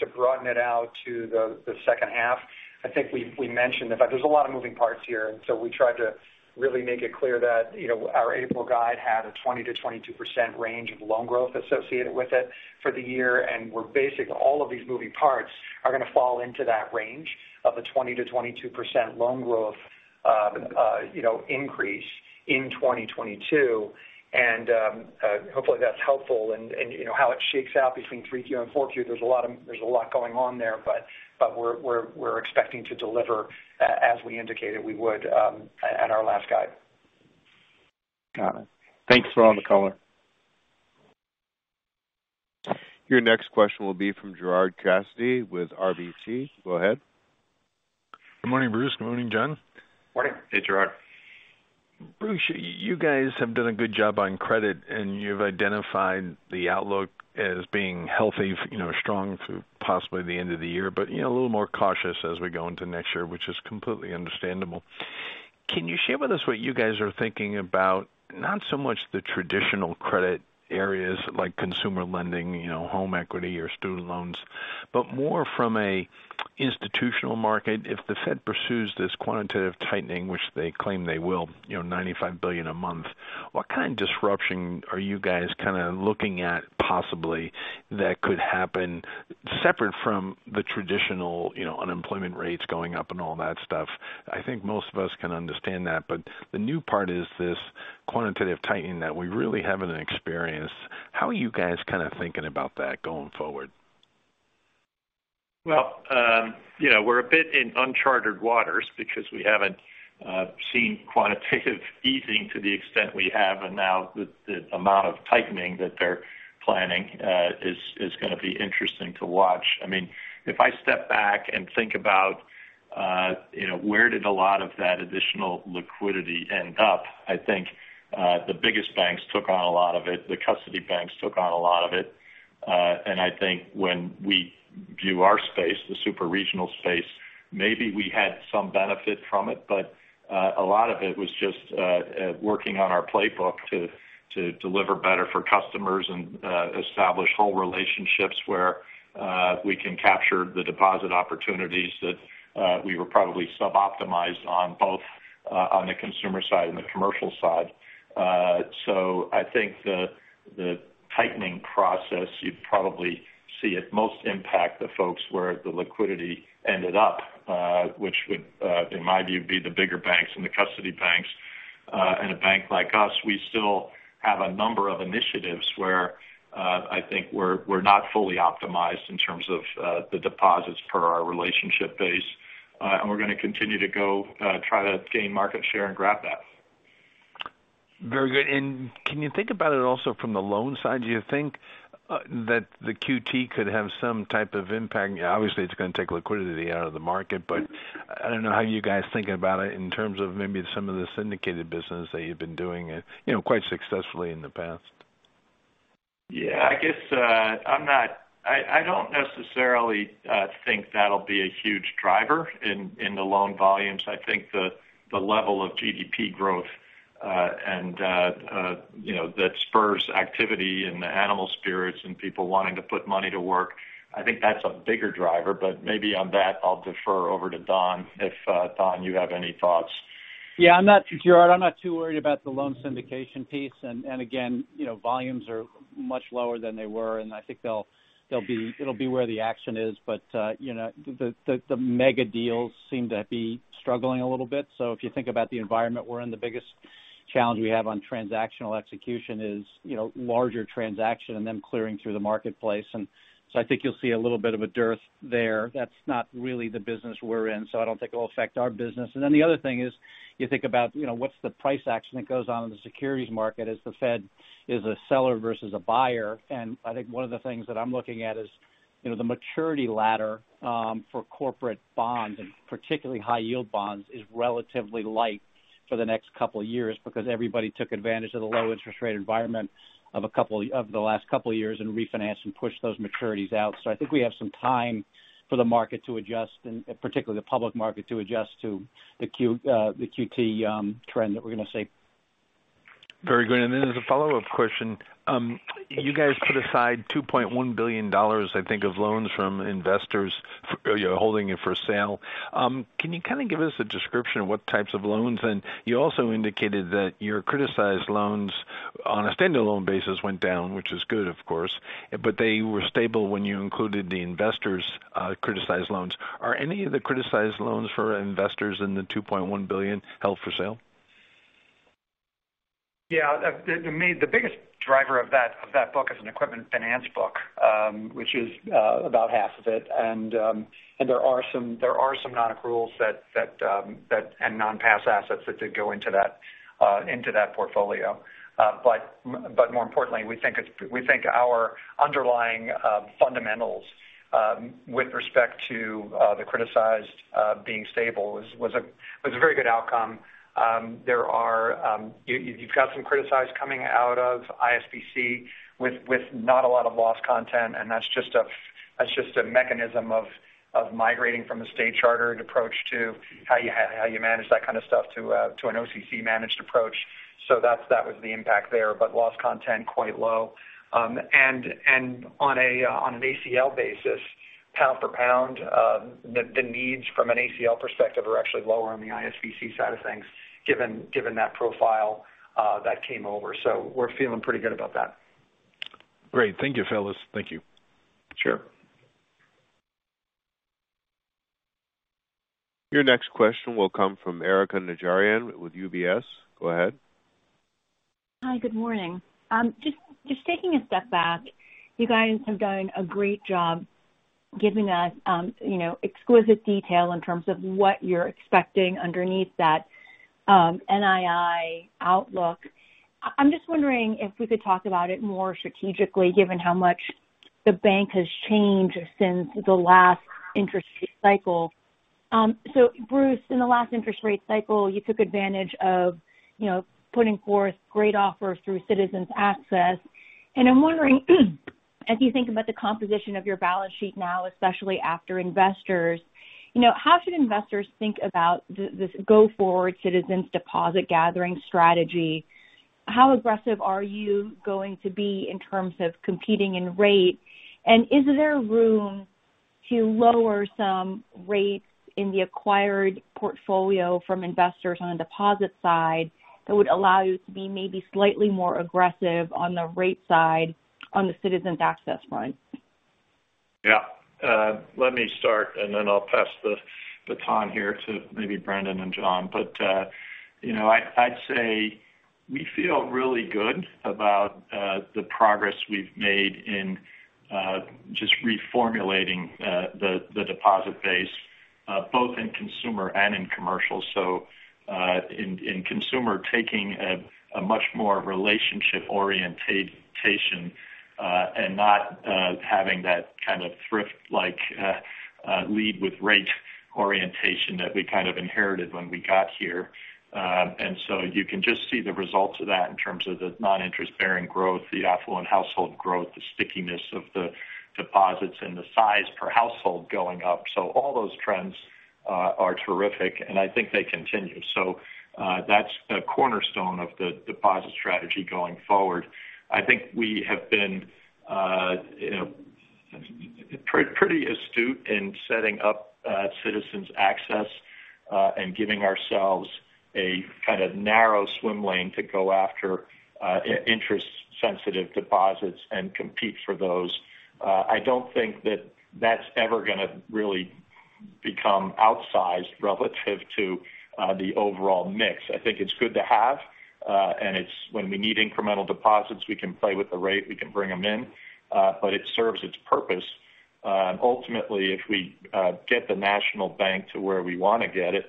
to broaden it out to the second half. I think we mentioned the fact there's a lot of moving parts here, and so we tried to really make it clear that, you know, our April guide had a 20%-22% range of loan growth associated with it for the year. We're all of these moving parts are gonna fall into that range of a 20%-22% loan growth, you know, increase in 2022. Hopefully that's helpful. You know, how it shakes out between 3Q and 4Q, there's a lot going on there, but we're expecting to deliver as we indicated we would, at our last guide. Got it. Thanks for all the color. Your next question will be from Gerard Cassidy with RBC. Go ahead. Good morning, Bruce. Good morning, John. Morning. Hey, Gerard. Bruce, you guys have done a good job on credit, and you've identified the outlook as being healthy, you know, strong through possibly the end of the year, but, you know, a little more cautious as we go into next year, which is completely understandable. Can you share with us what you guys are thinking about, not so much the traditional credit areas like consumer lending, you know, home equity or student loans, but more from a institutional market. If the Fed pursues this quantitative tightening, which they claim they will, you know, $95 billion a month, what kind of disruption are you guys kinda looking at possibly that could happen separate from the traditional, you know, unemployment rates going up and all that stuff? I think most of us can understand that, but the new part is this quantitative tightening that we really haven't experienced. How are you guys kinda thinking about that going forward? Well, you know, we're a bit in uncharted waters because we haven't seen quantitative easing to the extent we have. Now the amount of tightening that they're planning is gonna be interesting to watch. I mean, if I step back and think about, you know, where did a lot of that additional liquidity end up? I think the biggest banks took on a lot of it. The custody banks took on a lot of it. I think when we view our space, the super-regional space, maybe we had some benefit from it, but a lot of it was just working on our playbook to deliver better for customers and establish whole relationships where we can capture the deposit opportunities that we were probably sub-optimized on both on the consumer side and the commercial side. I think the tightening process you'd probably see it most impact the folks where the liquidity ended up, which would in my view be the bigger banks and the custody banks. A bank like us, we still have a number of initiatives where I think we're not fully optimized in terms of the deposits per our relationship base. We're gonna continue to go, try to gain market share and grab that. Very good. Can you think about it also from the loan side? Do you think that the QT could have some type of impact? Obviously, it's gonna take liquidity out of the market, but I don't know how you guys think about it in terms of maybe some of the syndicated business that you've been doing, you know, quite successfully in the past. Yeah. I guess, I don't necessarily think that'll be a huge driver in the loan volumes. I think the level of GDP growth and you know, that spurs activity and the animal spirits and people wanting to put money to work, I think that's a bigger driver. Maybe on that, I'll defer over to Don, if Don, you have any thoughts. Yeah. Gerard, I'm not too worried about the loan syndication piece. Again, you know, volumes are much lower than they were, and I think they'll be where the action is. You know, the mega deals seem to be struggling a little bit. If you think about the environment we're in, the biggest challenge we have on transactional execution is, you know, larger transaction and them clearing through the marketplace. I think you'll see a little bit of a dearth there. That's not really the business we're in, so I don't think it'll affect our business. The other thing is you think about, you know, what's the price action that goes on in the securities market as the Fed is a seller versus a buyer. I think one of the things that I'm looking at is, you know, the maturity ladder for corporate bonds and particularly high-yield bonds is relatively light for the next couple of years because everybody took advantage of the low interest rate environment of the last couple of years and refinanced and pushed those maturities out. I think we have some time for the market to adjust, and particularly the public market to adjust to the QT trend that we're gonna see. Very good. As a follow-up question, you guys put aside $2.1 billion, I think, of loans from Investors Bancorp you're holding it for sale. Can you kind of give us a description of what types of loans? You also indicated that your criticized loans on a stand-alone basis went down, which is good, of course, but they were stable when you included the Investors Bancorp's criticized loans. Are any of the criticized loans for Investors Bancorp in the $2.1 billion held for sale? Yeah. The biggest driver of that book is an equipment finance book, which is about half of it. There are some nonaccruals and non-pass assets that did go into that portfolio. But more importantly, we think our underlying fundamentals with respect to the criticized being stable was a very good outcome. There are, you've got some criticized coming out of ISBC with not a lot of loss content, and that's just a mechanism of migrating from a state-chartered approach to how you manage that kind of stuff to an OCC-managed approach. That was the impact there, but loss content quite low. On an ACL basis, pound for pound, the needs from an ACL perspective are actually lower on the ISBC side of things, given that profile that came over. We're feeling pretty good about that. Great. Thank you, fellas. Thank you. Sure. Your next question will come from Erika Najarian with UBS. Go ahead. Hi. Good morning. Just taking a step back, you guys have done a great job giving us, you know, exquisite detail in terms of what you're expecting underneath that NII outlook. I'm just wondering if we could talk about it more strategically, given how much the bank has changed since the last interest rate cycle. Bruce, in the last interest rate cycle, you took advantage of, you know, putting forth great offers through Citizens Access. I'm wondering, as you think about the composition of your balance sheet now, especially after Investors Bancorp, you know, how should investors think about this go-forward Citizens deposit gathering strategy? How aggressive are you going to be in terms of competing in rate? Is there room to lower some rates in the acquired portfolio from Investors Bancorp on the deposit side that would allow you to be maybe slightly more aggressive on the rate side on the Citizens Access front? Yeah. Let me start, and then I'll pass the baton here to maybe Brendan and John. You know, I'd say we feel really good about the progress we've made in just reformulating the deposit base both in consumer and in commercial. In consumer, taking a much more relationship orientation and not having that kind of thrift-like lead with rate orientation that we kind of inherited when we got here. You can just see the results of that in terms of the non-interest-bearing growth, the affluent household growth, the stickiness of the deposits, and the size per household going up. All those trends are terrific, and I think they continue. That's a cornerstone of the deposit strategy going forward. I think we have been, you know, pretty astute in setting up Citizens Access and giving ourselves a kind of narrow swim lane to go after interest-sensitive deposits and compete for those. I don't think that that's ever gonna really become outsized relative to the overall mix. I think it's good to have, and it's when we need incremental deposits, we can play with the rate, we can bring them in, but it serves its purpose. Ultimately, if we get the national bank to where we want to get it,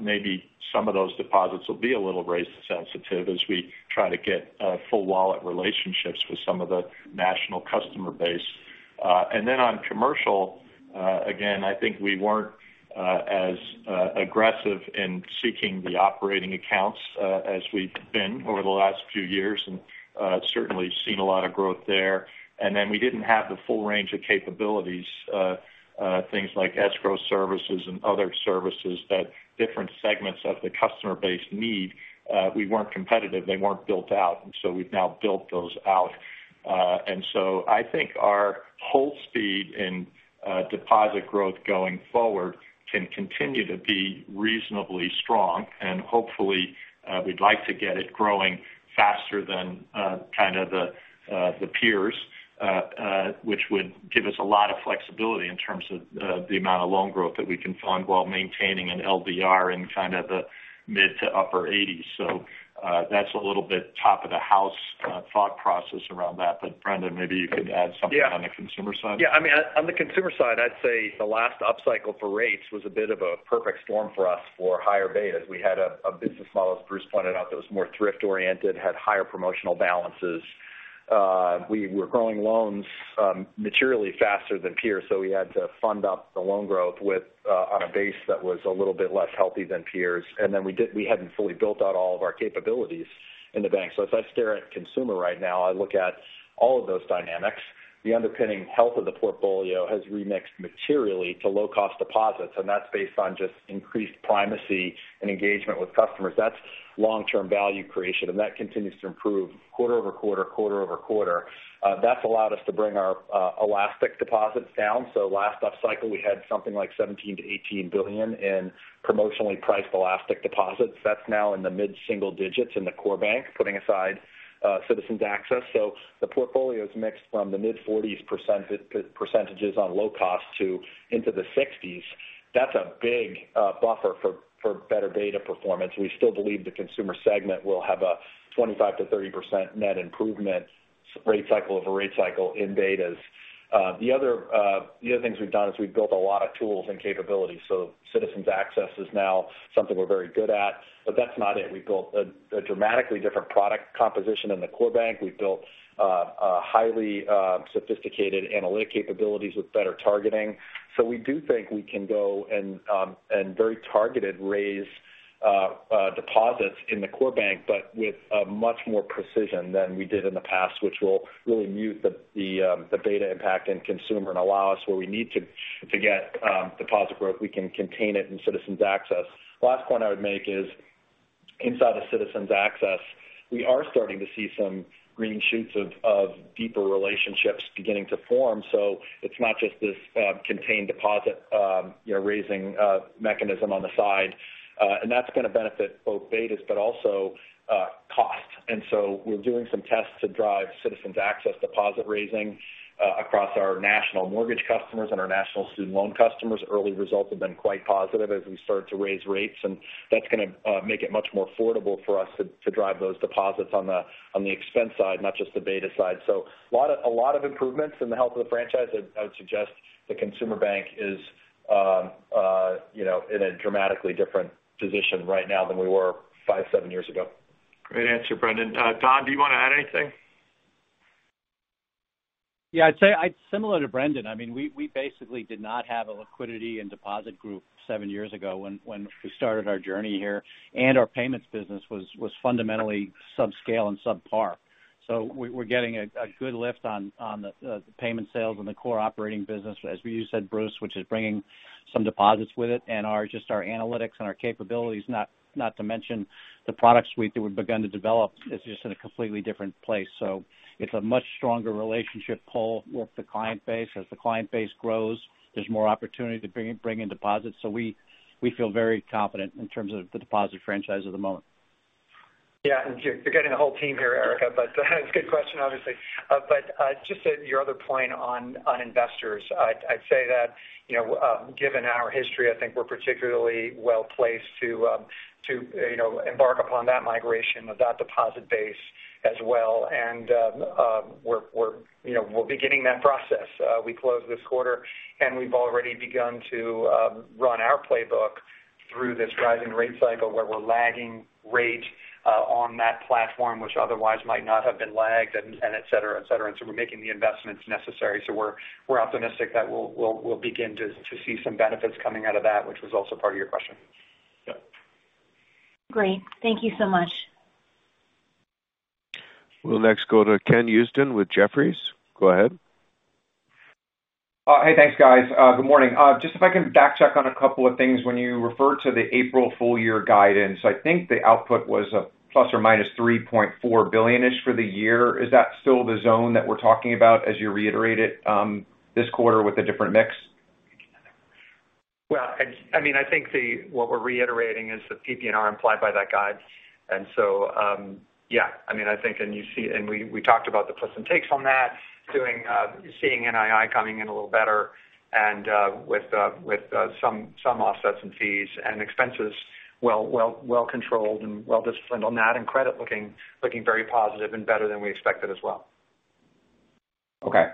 maybe some of those deposits will be a little rate sensitive as we try to get full wallet relationships with some of the national customer base. On commercial, again, I think we weren't as aggressive in seeking the operating accounts as we've been over the last few years, and certainly seen a lot of growth there. We didn't have the full range of capabilities, things like escrow services and other services that different segments of the customer base need. We weren't competitive. They weren't built out. We've now built those out. I think our whole speed in deposit growth going forward can continue to be reasonably strong. Hopefully, we'd like to get it growing faster than kind of the peers, which would give us a lot of flexibility in terms of the amount of loan growth that we can fund while maintaining an LDR in kind of the mid- to upper 80s. That's a little bit top of the house thought process around that. Brendan, maybe you could add something on the consumer side. Yeah. I mean, on the consumer side, I'd say the last upcycle for rates was a bit of a perfect storm for us for higher betas. We had a business model, as Bruce pointed out, that was more thrift-oriented, had higher promotional balances. We were growing loans materially faster than peers, so we had to fund up the loan growth with on a base that was a little bit less healthy than peers. We hadn't fully built out all of our capabilities in the bank. As I stare at consumer right now, I look at all of those dynamics. The underpinning health of the portfolio has remixed materially to low-cost deposits, and that's based on just increased primacy and engagement with customers. That's long-term value creation, and that continues to improve quarter over quarter over quarter. That's allowed us to bring our elastic deposits down. Last upcycle, we had something like $17 billion-$18 billion in promotionally priced elastic deposits. That's now in the mid-single digits in the core bank, putting aside Citizens Access. The portfolio is mixed from the mid-40s%, percentages on low cost to into the 60s. That's a big buffer for better beta performance. We still believe the consumer segment will have a 25%-30% net improvement rate cycle over rate cycle in betas. The other things we've done is we've built a lot of tools and capabilities. Citizens Access is now something we're very good at, but that's not it. We've built a dramatically different product composition in the core bank. We've built a highly sophisticated analytic capabilities with better targeting. We do think we can go and very targeted raise deposits in the core bank, but with much more precision than we did in the past, which will really mute the beta impact in consumer and allow us where we need to get deposit growth. We can contain it in Citizens Access. Last point I would make is inside the Citizens Access, we are starting to see some green shoots of deeper relationships beginning to form. It's not just this contained deposit you know raising mechanism on the side. And that's going to benefit both betas but also cost. We're doing some tests to drive Citizens Access deposit raising across our national mortgage customers and our national student loan customers. Early results have been quite positive as we start to raise rates, and that's gonna make it much more affordable for us to drive those deposits on the expense side, not just the beta side. A lot of improvements in the health of the franchise. I would suggest the consumer bank is, you know, in a dramatically different position right now than we were five, seven years ago. Great answer, Brendan. Don, do you want to add anything? Yeah. I'd say similar to Brendan, I mean, we basically did not have a liquidity and deposit group seven years ago when we started our journey here, and our payments business was fundamentally subscale and subpar. We're getting a good lift on the payment sales and the core operating business, as you said, Bruce, which is bringing some deposits with it. Our analytics and our capabilities, not to mention the product suite that we've begun to develop, is just in a completely different place. It's a much stronger relationship pull with the client base. As the client base grows, there's more opportunity to bring in deposits. We feel very confident in terms of the deposit franchise at the moment. Yeah. You're getting the whole team here, Erika, but it's a good question, obviously. Just to your other point on investors, I'd say that, you know, given our history, I think we're particularly well placed to, you know, embark upon that migration of that deposit base as well. We're beginning that process. We closed this quarter, and we've already begun to run our playbook through this rising rate cycle where we're lagging rate on that platform, which otherwise might not have been lagged and et cetera, et cetera. We're making the investments necessary. We're optimistic that we'll begin to see some benefits coming out of that, which was also part of your question. Yeah. Great. Thank you so much. We'll next go to Ken Usdin with Jefferies. Go ahead. Hey. Thanks, guys. Good morning. Just if I can back check on a couple of things. When you refer to the April full year guidance, I think the output was ± $3.4 billion-ish for the year. Is that still the zone that we're talking about as you reiterate it, this quarter with a different mix? Well, I mean, I think what we're reiterating is the PPNR implied by that guide. Yeah, I mean, I think, and you see, we talked about the plus and takes on that, seeing NII coming in a little better and with some offsets in fees and expenses well controlled and well disciplined on that, and credit looking very positive and better than we expected as well. Okay.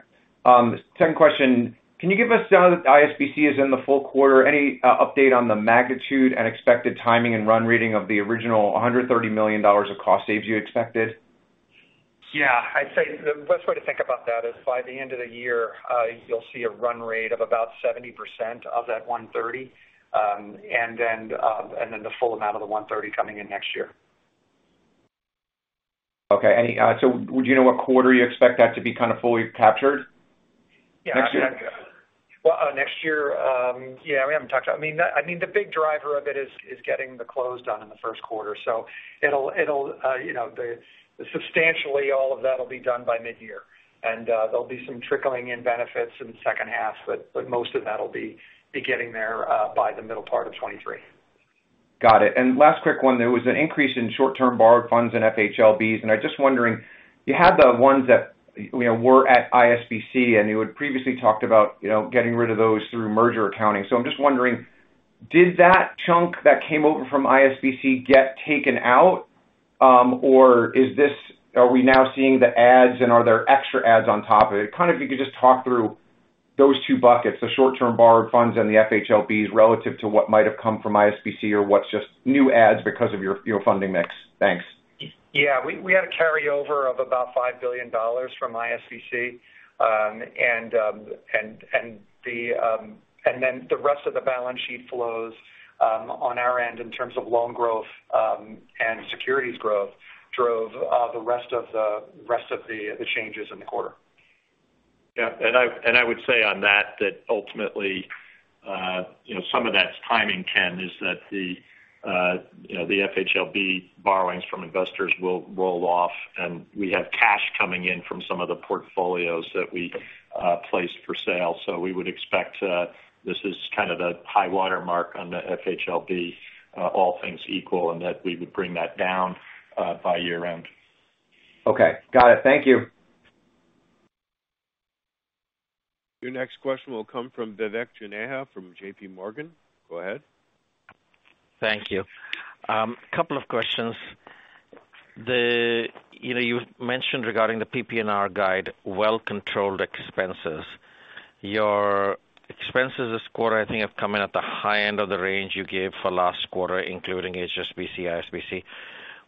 Second question. Can you give us, now that ISBC is in the full quarter, any update on the magnitude and expected timing and run rate of the original $130 million of cost savings you expected? I'd say the best way to think about that is by the end of the year, you'll see a run rate of about 70% of that $130. And then the full amount of the $130 coming in next year. Would you know what quarter you expect that to be kind of fully captured? Next year? Yeah. Well, next year, yeah, we haven't talked about it. I mean, the big driver of it is getting the close done in the first quarter. So it'll, you know, substantially all of that will be done by mid-year. There'll be some trickling in benefits in the second half, but most of that'll be beginning there, by the middle part of 2023. Got it. Last quick one. There was an increase in short-term borrowed funds in FHLBs, and I'm just wondering, you had the ones that, you know, were at ISBC, and you had previously talked about, you know, getting rid of those through merger accounting. I'm just wondering, did that chunk that came over from ISBC get taken out, or is this, are we now seeing the adds and are there extra adds on top of it? Kind of if you could just talk through those two buckets, the short-term borrowed funds and the FHLBs relative to what might have come from ISBC or what's just new adds because of your funding mix. Thanks. Yeah, we had a carryover of about $5 billion from ISBC. The rest of the balance sheet flows on our end in terms of loan growth and securities growth drove the rest of the changes in the quarter. Yeah. I would say on that ultimately you know some of that's timing, Ken, is that the you know the FHLB borrowings from Investors will roll off, and we have cash coming in from some of the portfolios that we placed for sale. We would expect this is kind of the high water mark on the FHLB all things equal, and that we would bring that down by year-end. Okay. Got it. Thank you. Your next question will come from Vivek Juneja from JPMorgan. Go ahead. Thank you. Couple of questions. You know, you mentioned regarding the PPNR guide, well-controlled expenses. Your expenses this quarter, I think, have come in at the high end of the range you gave for last quarter, including HSBC, ISBC.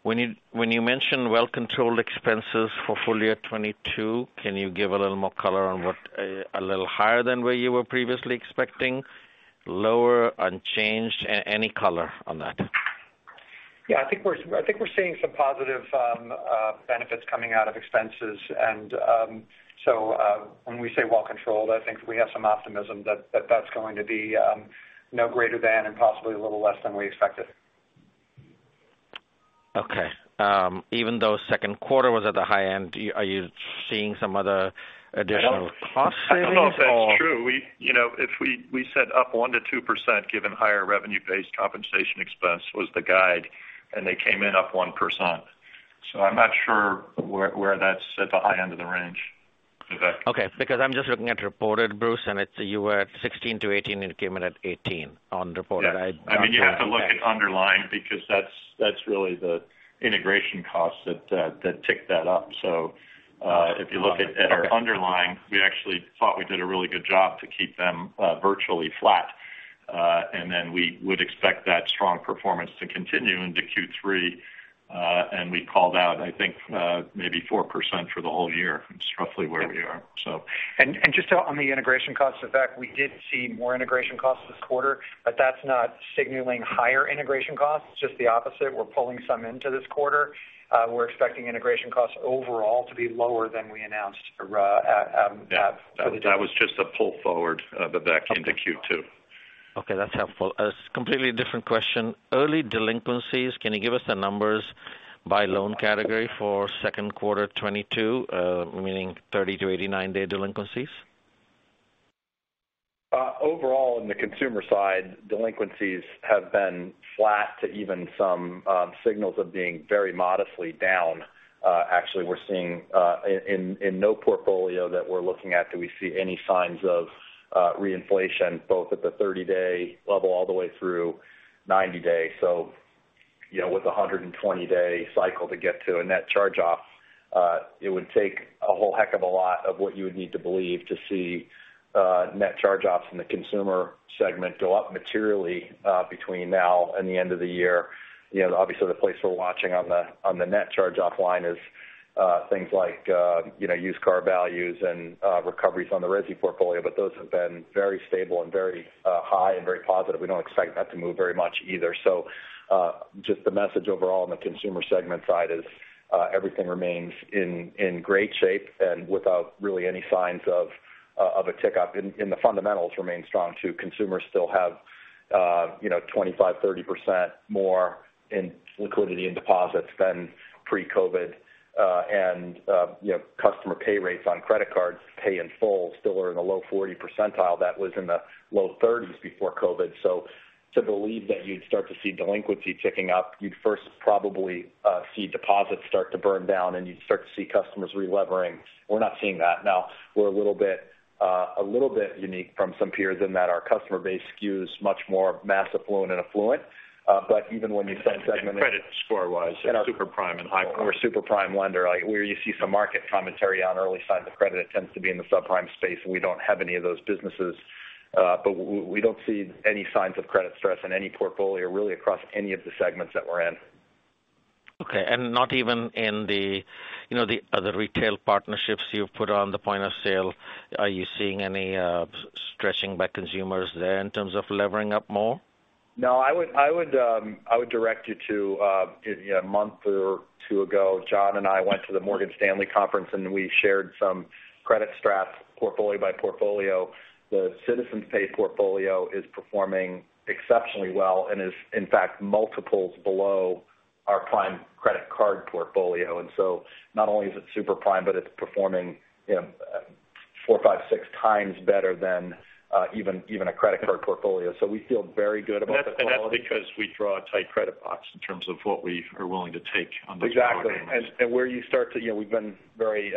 When you mention well-controlled expenses for full year 2022, can you give a little more color on whether a little higher than where you were previously expecting? Lower, unchanged, any color on that. Yeah, I think we're seeing some positive benefits coming out of expenses. When we say well-controlled, I think we have some optimism that that's going to be, you know, greater than and possibly a little less than we expected. Okay. Even though second quarter was at the high end, are you seeing some other additional cost savings or? I don't know if that's true. We, you know, if we said up 1%-2% given higher revenue-based compensation expense was the guide, and they came in up 1%. I'm not sure where that's at the high end of the range, Vivek. Okay. Because I'm just looking at reported, Bruce, and it's you were at 16%-18%, and it came in at 18% on reported. Yeah. I mean, you have to look at underlying because that's really the integration costs that ticked that up. So, if you look at our underlying, we actually thought we did a really good job to keep them virtually flat. And then we would expect that strong performance to continue into Q3, and we called out, I think, maybe 4% for the whole year. It's roughly where we are, so. Just on the integration costs, Vivek, we did see more integration costs this quarter, but that's not signaling higher integration costs, just the opposite. We're pulling some into this quarter. We're expecting integration costs overall to be lower than we announced. Yeah. That was just a pull forward, that came to Q2. Okay, that's helpful. A completely different question. Early delinquencies, can you give us the numbers by loan category for second quarter 2022, meaning 30-89 day delinquencies? Overall, in the consumer side, delinquencies have been flat to even some signals of being very modestly down. Actually, we're seeing in no portfolio that we're looking at do we see any signs of reinflation, both at the 30-day level all the way through 90-day. You know, with a 120-day cycle to get to a net charge-off, it would take a whole heck of a lot of what you would need to believe to see net charge-offs in the consumer segment go up materially between now and the end of the year. You know, obviously the place we're watching on the net charge-off line is things like you know, used car values and recoveries on the resi portfolio, but those have been very stable and very high and very positive. We don't expect that to move very much either. Just the message overall on the consumer segment side is, everything remains in great shape and without really any signs of a tick-up. The fundamentals remain strong too. Consumers still have, you know, 25%-30% more in liquidity and deposits than pre-COVID. You know, customer pay rates on credit cards pay in full still are in the low 40 percentile. That was in the low 30s before COVID. To believe that you'd start to see delinquency ticking up, you'd first probably see deposits start to burn down, and you'd start to see customers relevering. We're not seeing that. Now, we're a little bit unique from some peers in that our customer base skews much more mass affluent and affluent. Even when you segment. Credit score-wise, they're super prime and high prime. We're a super prime lender. Like, where you see some market commentary on early signs of credit, it tends to be in the subprime space, and we don't have any of those businesses. We don't see any signs of credit stress in any portfolio, really across any of the segments that we're in. Okay. Not even in the, you know, the other retail partnerships you've put on the point of sale. Are you seeing any stretching by consumers there in terms of levering up more? No. I would direct you to, you know, a month or two ago, John and I went to the Morgan Stanley conference, and we shared some credit stress portfolio by portfolio. The Citizens Pay portfolio is performing exceptionally well and is, in fact, multiples below our prime credit card portfolio. Not only is it super prime, but it's performing, you know, 4x, 5x, 6x better than even a credit card portfolio. We feel very good about the quality. That's because we draw a tight credit box in terms of what we are willing to take on those programs. Exactly. You know, we've been very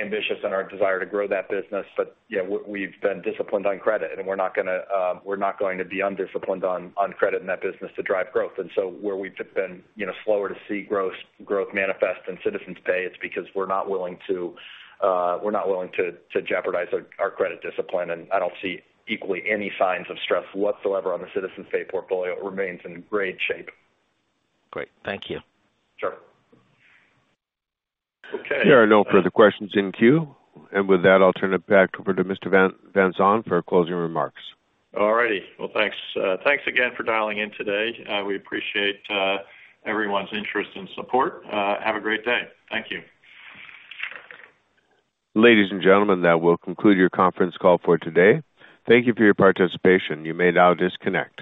ambitious in our desire to grow that business. Yeah, we've been disciplined on credit, and we're not going to be undisciplined on credit in that business to drive growth. Where we've been, you know, slower to see growth manifest in Citizens Pay, it's because we're not willing to jeopardize our credit discipline. I don't see any signs of stress whatsoever on the Citizens Pay portfolio. It remains in great shape. Great. Thank you. Sure. There are no further questions in queue. With that, I'll turn it back over to Mr. Van Saun for closing remarks. All righty. Well, thanks. Thanks again for dialing in today. We appreciate everyone's interest and support. Have a great day. Thank you. Ladies and gentlemen, that will conclude your conference call for today. Thank you for your participation. You may now disconnect.